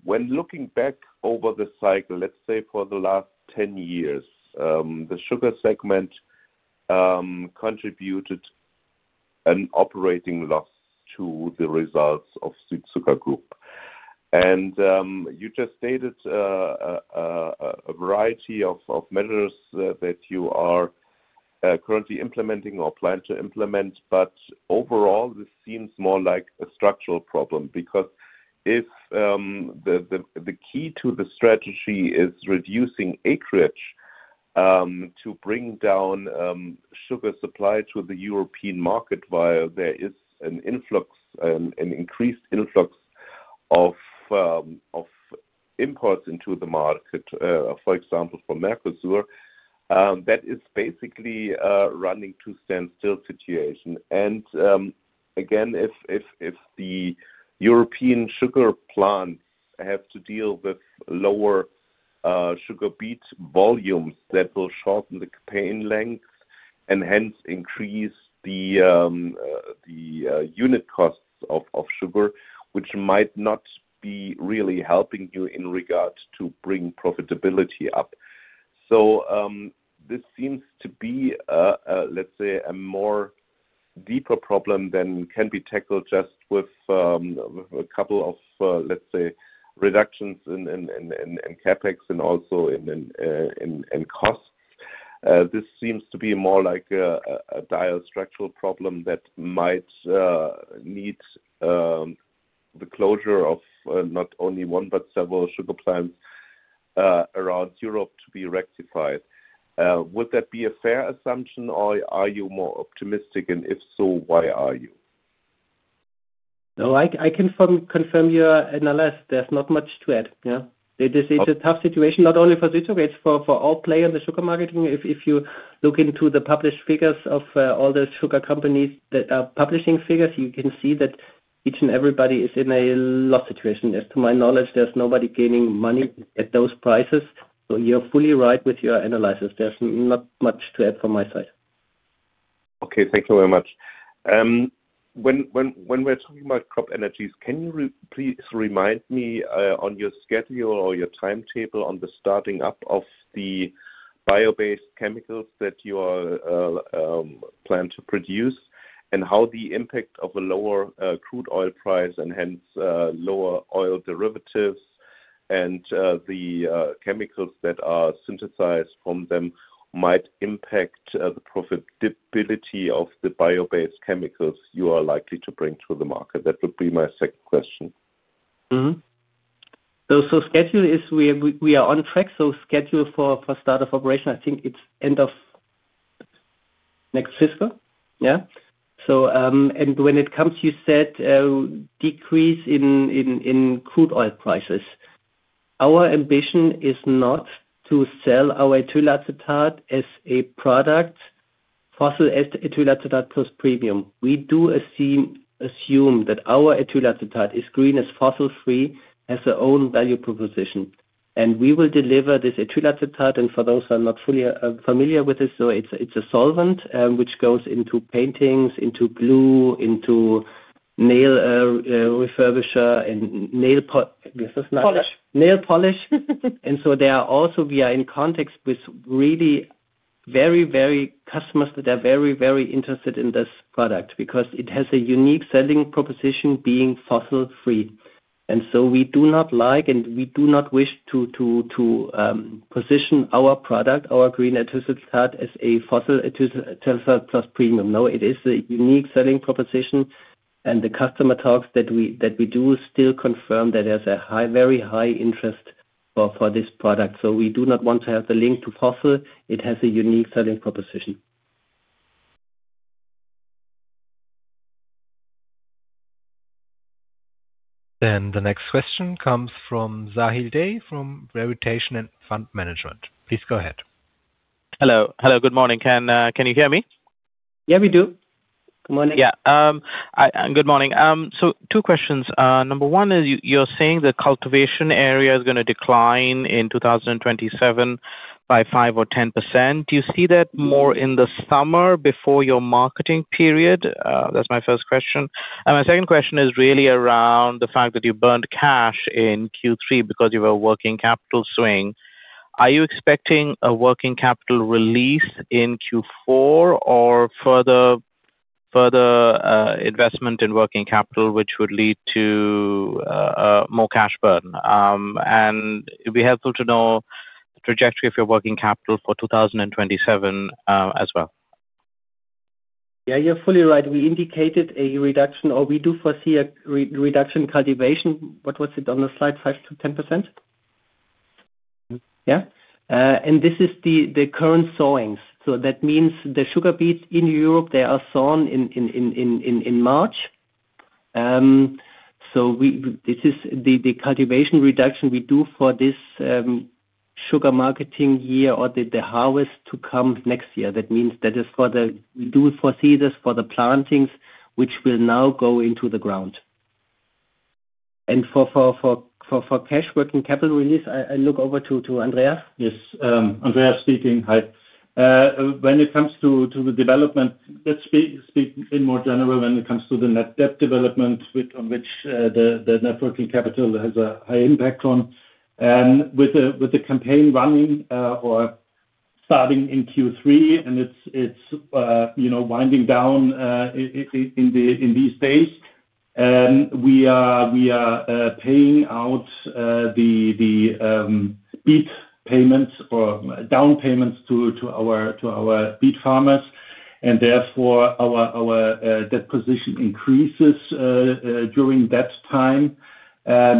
When looking back over the cycle, let's say for the last 10 years, the sugar segment contributed an operating loss to the results of Südzucker Group. And you just stated a variety of measures that you are currently implementing or plan to implement, but overall, this seems more like a structural problem because if the key to the strategy is reducing acreage to bring down sugar supply to the European market while there is an increased influx of imports into the market, for example, for Mercosur, that is basically running to a standstill situation. And again, if the European sugar plants have to deal with lower sugar beet volumes, that will shorten the campaign length and hence increase the unit costs of sugar, which might not be really helping you in regard to bring profitability up. So this seems to be, let's say, a more deeper problem than can be tackled just with a couple of, let's say, reductions in CapEx and also in costs. This seems to be more like a dire structural problem that might need the closure of not only one, but several sugar plants around Europe to be rectified. Would that be a fair assumption, or are you more optimistic? And if so, why are you? No, I can confirm your analysis. There's not much to add. Yeah. It is a tough situation, not only for Südzucker. It's for all players in the sugar market. If you look into the published figures of all the sugar companies that are publishing figures, you can see that each and everybody is in a loss situation. As to my knowledge, there's nobody gaining money at those prices. So you're fully right with your analysis. There's not much to add from my side. Okay. Thank you very much. When we're talking about CropEnergies, can you please remind me on your schedule or your timetable on the starting up of the bio-based chemicals that you plan to produce and how the impact of a lower crude oil price and hence lower oil derivatives and the chemicals that are synthesized from them might impact the profitability of the bio-based chemicals you are likely to bring to the market? That would be my second question. So schedule is we are on track. Schedule for start of operation, I think it's end of next fiscal. Yeah. And when it comes, you said decrease in crude oil prices. Our ambition is not to sell our ethyl acetate as a product, fossil ethyl acetate plus premium. We do assume that our ethyl acetate is green as fossil-free, has their own value proposition. And we will deliver this ethyl acetate, and for those who are not fully familiar with it, so it's a solvent which goes into paints, into glue, into nail polish remover, and nail polish. Nail polish. And so there are also we are in contact with really very, very customers that are very, very interested in this product because it has a unique selling proposition being fossil-free. And so we do not like and we do not wish to position our product, our green ethyl acetate, as a fossil ethyl acetate plus premium. No, it is a unique selling proposition. And the customer talks that we do still confirm that there's a very high interest for this product. So we do not want to have the link to fossil. It has a unique selling proposition. Then the next question comes from Sahil Dey from Gravitation and Fund Management. Please go ahead. Hello. Hello. Good morning. Can you hear me? Yeah, we do. Good morning. Yeah. Good morning. So two questions. Number one is you're saying the cultivation area is going to decline in 2027 by 5% or 10%. Do you see that more in the summer before your marketing period? That's my first question. And my second question is really around the fact that you burned cash in Q3 because you were working capital swing. Are you expecting a working capital release in Q4 or further investment in working capital, which would lead to more cash burn, and it would be helpful to know the trajectory of your working capital for 2027 as well. Yeah, you're fully right. We indicated a reduction, or we do foresee a reduction in cultivation. What was it on the slide? 5%-10%? Yeah, and this is the current sowings. So that means the sugar beets in Europe, they are sown in March. So this is the cultivation reduction we do for this sugar marketing year or the harvest to come next year. That means that we do foresee this for the plantings, which will now go into the ground, and for cash working capital release, I look over to Andreas. Yes. Andreas speaking. Hi. When it comes to the development, let's speak in more general when it comes to the net debt development, which the working capital has a high impact on. With the campaign running or starting in Q3, and it's winding down in these days, we are paying out the beet payments or down payments to our beet farmers. Therefore, our debt position increases during that time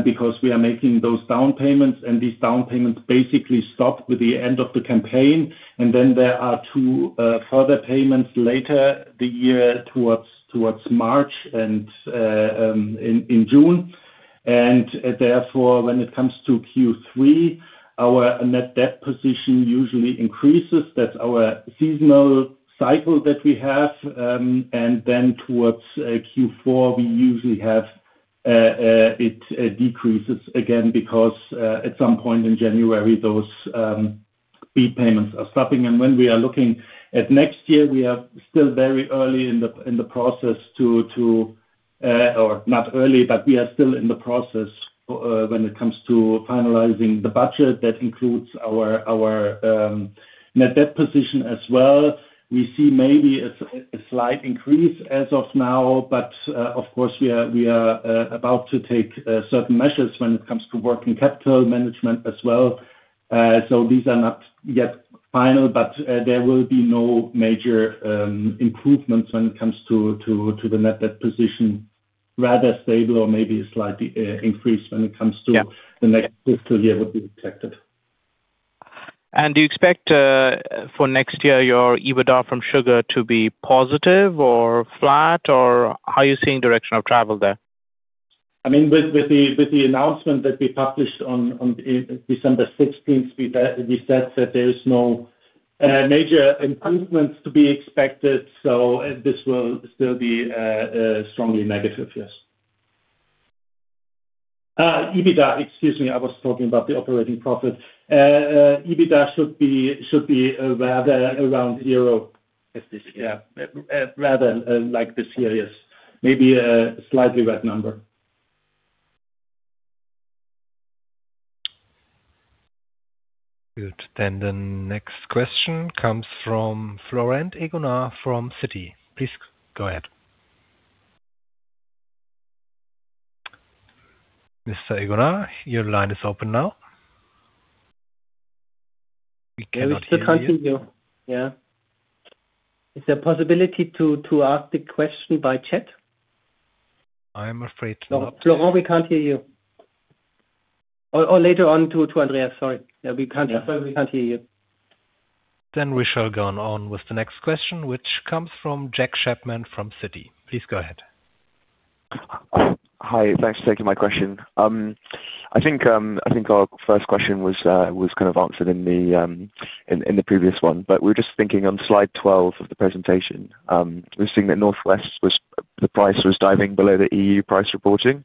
because we are making those down payments. These down payments basically stop with the end of the campaign. Then there are two further payments later in the year towards March and in June. Therefore, when it comes to Q3, our net debt position usually increases. That's our seasonal cycle that we have. Then towards Q4, we usually have it decreases again because at some point in January, those beet payments are stopping. When we are looking at next year, we are still very early in the process, but we are still in the process when it comes to finalizing the budget that includes our net debt position as well. We see maybe a slight increase as of now, but of course, we are about to take certain measures when it comes to working capital management as well. So these are not yet final, but there will be no major improvements when it comes to the net debt position. Rather stable or maybe a slight increase when it comes to the next fiscal year would be expected. Do you expect for next year your EBITDA from sugar to be positive or flat, or how are you seeing the direction of travel there? I mean, with the announcement that we published on December 16th, we said that there are no major improvements to be expected. So this will still be strongly negative, yes. EBITDA, excuse me, I was talking about the operating profit. EBITDA should be rather around zero this year. Rather like this year, yes. Maybe a slightly red number. Good. Then the next question comes from Florent Egonoir from Citi. Please go ahead. Mr. Egonoir, your line is open now. We cannot hear you. Yeah. Is there a possibility to ask the question by chat? I'm afraid not. Florent, we can't hear you. Or later on to Andreas. Sorry. We can't hear you. Then we shall go on with the next question, which comes from Jack Chapman from Citi. Please go ahead. Hi. Thanks for taking my question. I think our first question was kind of answered in the previous one, but we're just thinking on slide 12 of the presentation. We're seeing that the price was diving below the EU price reporting.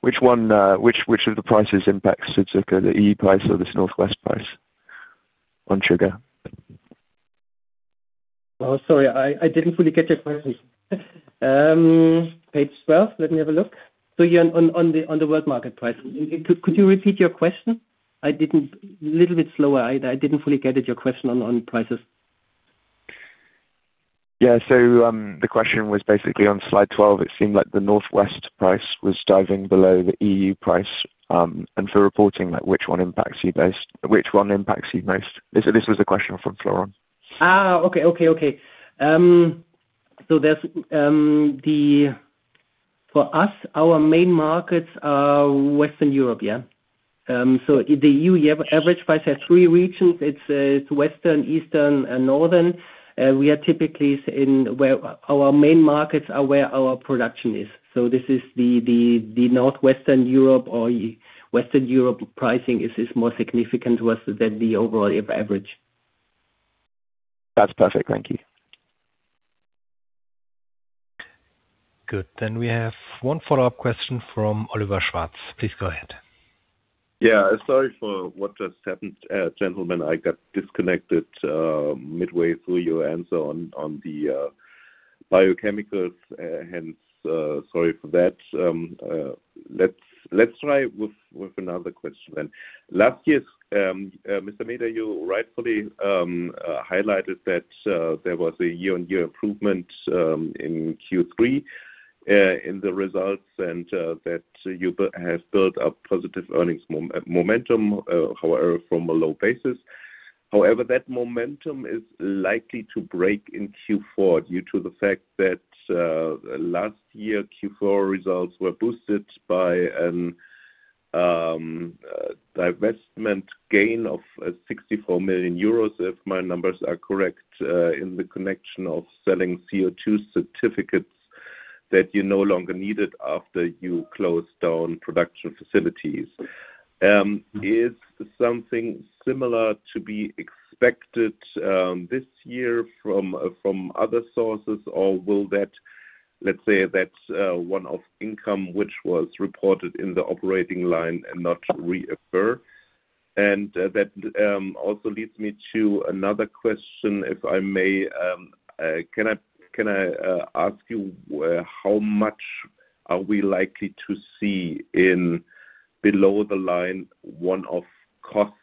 Which of the prices impacts Südzucker? The EU price or this Northwest price on sugar? Sorry, I didn't fully get your question. Page 12, let me have a look. So on the world market price. Could you repeat your question? A little bit slower. I didn't fully get your question on prices. Yeah. So the question was basically on slide 12. It seemed like the Northwest price was diving below the EU price. And for reporting, which one impacts you most? This was the question from Florent. Okay, okay, okay. So for us, our main markets are Western Europe, yeah. So the EU average price has three regions. It's western, eastern, and northern. We are typically in where our main markets are where our production is. So this is the Northwest Europe or Western Europe pricing is more significant than the overall average. That's perfect. Thank you. Good. Then we have one follow-up question from Oliver Schwarz. Please go ahead. Yeah. Sorry for what just happened, gentlemen. I got disconnected midway through your answer on the biochemicals. Hence, sorry for that. Let's try with another question then. Last year, Mr. Meeder, you rightfully highlighted that there was a year-on-year improvement in Q3 in the results and that you have built up positive earnings momentum, however, from a low basis. However, that momentum is likely to break in Q4 due to the fact that last year, Q4 results were boosted by an investment gain of 64 million euros, if my numbers are correct, in the connection of selling CO2 certificates that you no longer needed after you closed down production facilities. Is something similar to be expected this year from other sources, or will that, let's say, that one-off income, which was reported in the operating line and not reoccur? And that also leads me to another question, if I may. Can I ask you how much are we likely to see in below-the-line one-off costs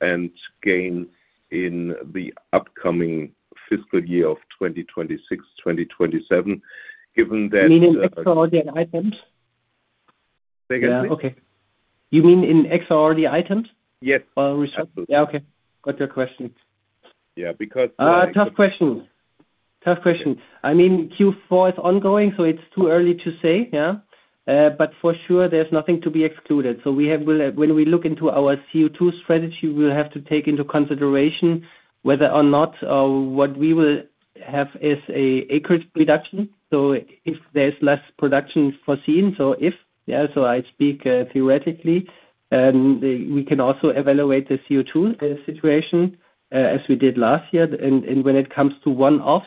and gains in the upcoming fiscal year of 2026-2027, given that? Meaning in extraordinary and items? Say again? Yeah. Okay. You mean in extraordinary items? Yes. Resources? Yeah. Okay. Got your question. Yeah. Because. Tough question. Tough question. I mean, Q4 is ongoing, so it's too early to say, yeah. But for sure, there's nothing to be excluded. So when we look into our CO2 strategy, we'll have to take into consideration whether or not what we will have is an acreage reduction. So if there's less production foreseen, so if, yeah, so I speak theoretically. And we can also evaluate the CO2 situation as we did last year. And when it comes to one-offs,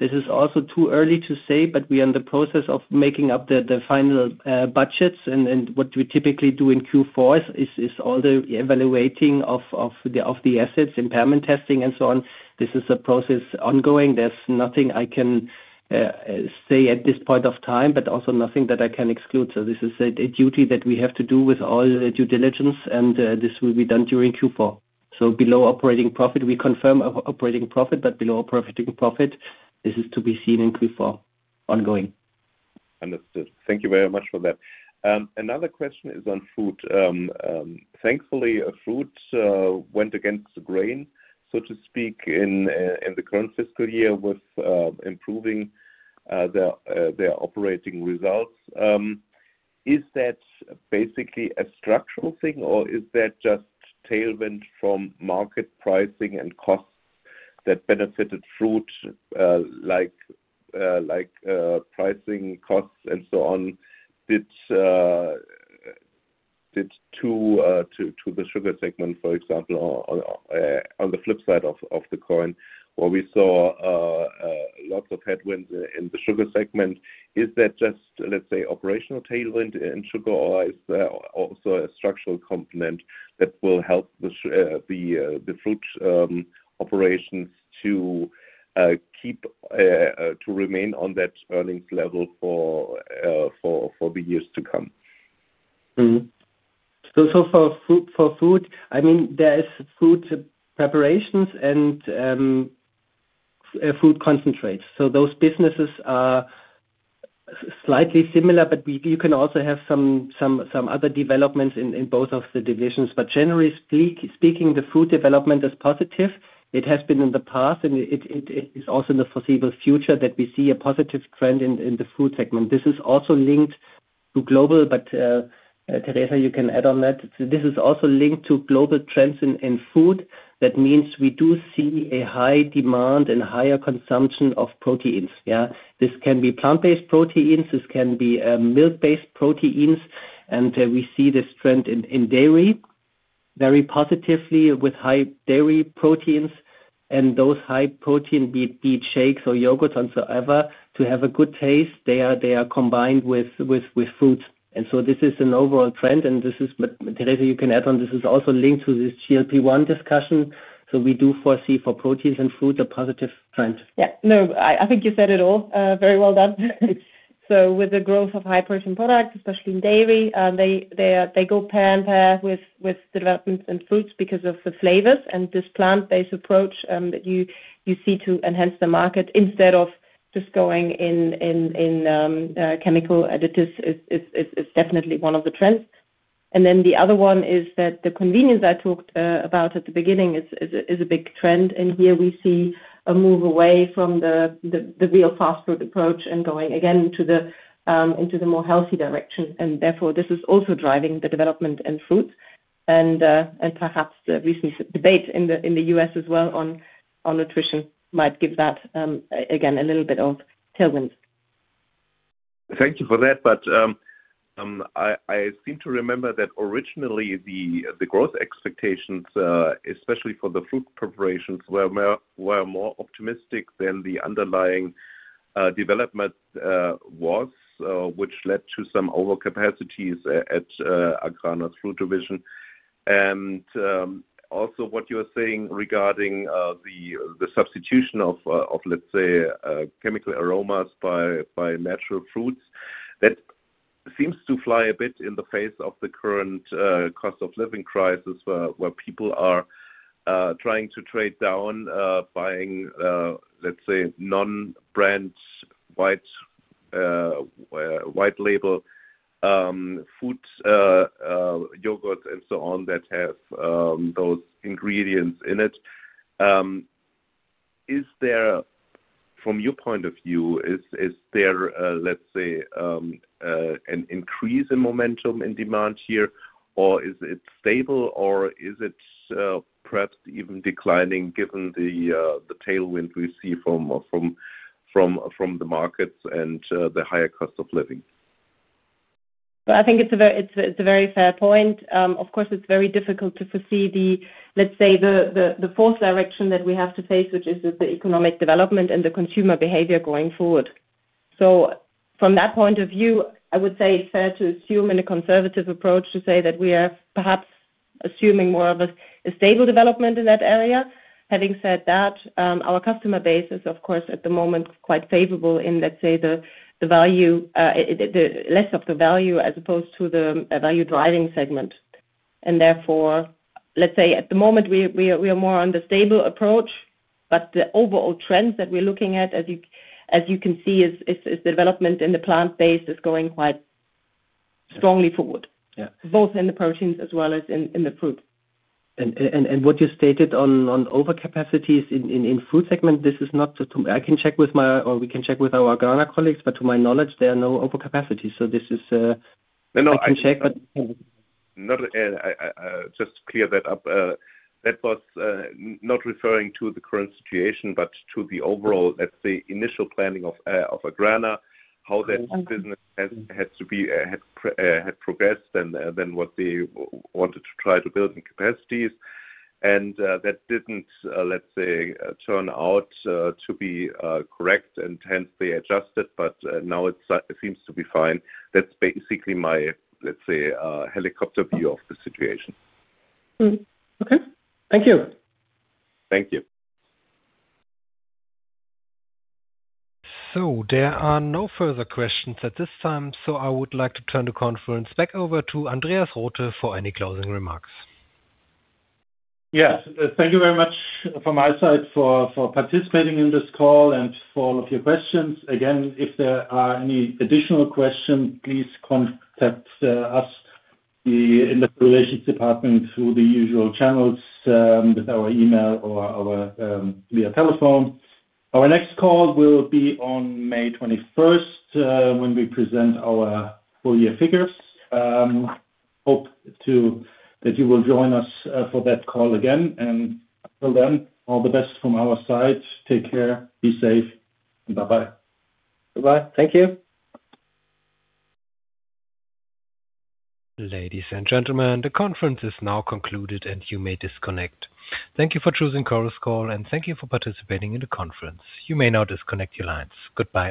this is also too early to say, but we are in the process of making up the final budgets. And what we typically do in Q4 is all the evaluating of the assets, impairment testing, and so on. This is a process ongoing. There's nothing I can say at this point of time, but also nothing that I can exclude. So this is a duty that we have to do with all due diligence, and this will be done during Q4. So below operating profit, we confirm operating profit, but below operating profit, this is to be seen in Q4 ongoing. Understood. Thank you very much for that. Another question is on food. Thankfully, fruit went against the grain, so to speak, in the current fiscal year with improving their operating results. Is that basically a structural thing, or is that just tailwind from market pricing and costs that benefited fruit, like pricing, costs, and so on, to the sugar segment, for example, on the flip side of the coin, where we saw lots of headwinds in the sugar segment? Is that just, let's say, operational tailwind in sugar, or is there also a structural component that will help the fruit operations to keep to remain on that earnings level for the years to come? So for food, I mean, there is fruit preparations and fruit concentrates. So those businesses are slightly similar, but you can also have some other developments in both of the divisions. But generally speaking, the food development is positive. It has been in the past, and it is also in the foreseeable future that we see a positive trend in the fruit segment. This is also linked to global, but Theresa, you can add on that. This is also linked to global trends in food. That means we do see a high demand and higher consumption of proteins. Yeah. This can be plant-based proteins. This can be milk-based proteins. And we see this trend in dairy very positively with high dairy proteins. And those high protein beet shakes or yogurts and so ever to have a good taste, they are combined with fruit. And so this is an overall trend. And Theresa, you can add on this is also linked to this GLP-1 discussion. So we do foresee for proteins and fruit a positive trend. Yeah. No, I think you said it all very well done. So with the growth of high-protein products, especially in dairy, they go hand in hand with developments in fruits because of the flavors. And this plant-based approach that you see to enhance the market instead of just going in chemical additives is definitely one of the trends. And then the other one is that the convenience I talked about at the beginning is a big trend. Here we see a move away from the real fast food approach and going again into the more healthy direction. Therefore, this is also driving the development in fruits. Perhaps the recent debate in the U.S. as well on nutrition might give that, again, a little bit of tailwind. Thank you for that. I seem to remember that originally the growth expectations, especially for the fruit preparations, were more optimistic than the underlying development was, which led to some overcapacities at AGRANA's fruit division. Also what you were saying regarding the substitution of, let's say, chemical aromas by natural fruits, that seems to fly a bit in the face of the current cost of living crisis where people are trying to trade down buying, let's say, non-brand white label food yogurts and so on that have those ingredients in it. From your point of view, is there, let's say, an increase in momentum in demand here, or is it stable, or is it perhaps even declining given the tailwind we see from the markets and the higher cost of living? I think it's a very fair point. Of course, it's very difficult to foresee the, let's say, the fourth direction that we have to face, which is the economic development and the consumer behavior going forward. So from that point of view, I would say it's fair to assume in a conservative approach to say that we are perhaps assuming more of a stable development in that area. Having said that, our customer base is, of course, at the moment quite favorable in, let's say, the value, less of the value as opposed to the value-driving segment. And therefore, let's say, at the moment, we are more on the stable approach, but the overall trend that we're looking at, as you can see, is the development in the plant-based is going quite strongly forward, both in the proteins as well as in the fruit. And what you stated on overcapacities in fruit segment, this is not true. I can check with my or we can check with our AGRANA colleagues, but to my knowledge, there are no overcapacities. So this is I can check, but. Just to clear that up, that was not referring to the current situation, but to the overall, let's say, initial planning of AGRANA, how that business has progressed and what they wanted to try to build in capacities. And that didn't, let's say, turn out to be correct, and hence they adjusted, but now it seems to be fine. That's basically my, let's say, helicopter view of the situation. Okay. Thank you. Thank you. So there are no further questions at this time, so I would like to turn the conference back over to Andreas Rothe for any closing remarks. Yes. Thank you very much from my side for participating in this call and for all of your questions. Again, if there are any additional questions, please contact us in the relations department through the usual channels with our email or via telephone. Our next call will be on May 21st when we present our full year figures. Hope that you will join us for that call again. And until then, all the best from our side. Take care. Be safe. Bye-bye. Bye-bye. Thank you. Ladies and gentlemen, the conference is now concluded, and you may disconnect. Thank you for choosing Chorus Call, and thank you for participating in the conference. You may now disconnect your lines. Goodbye.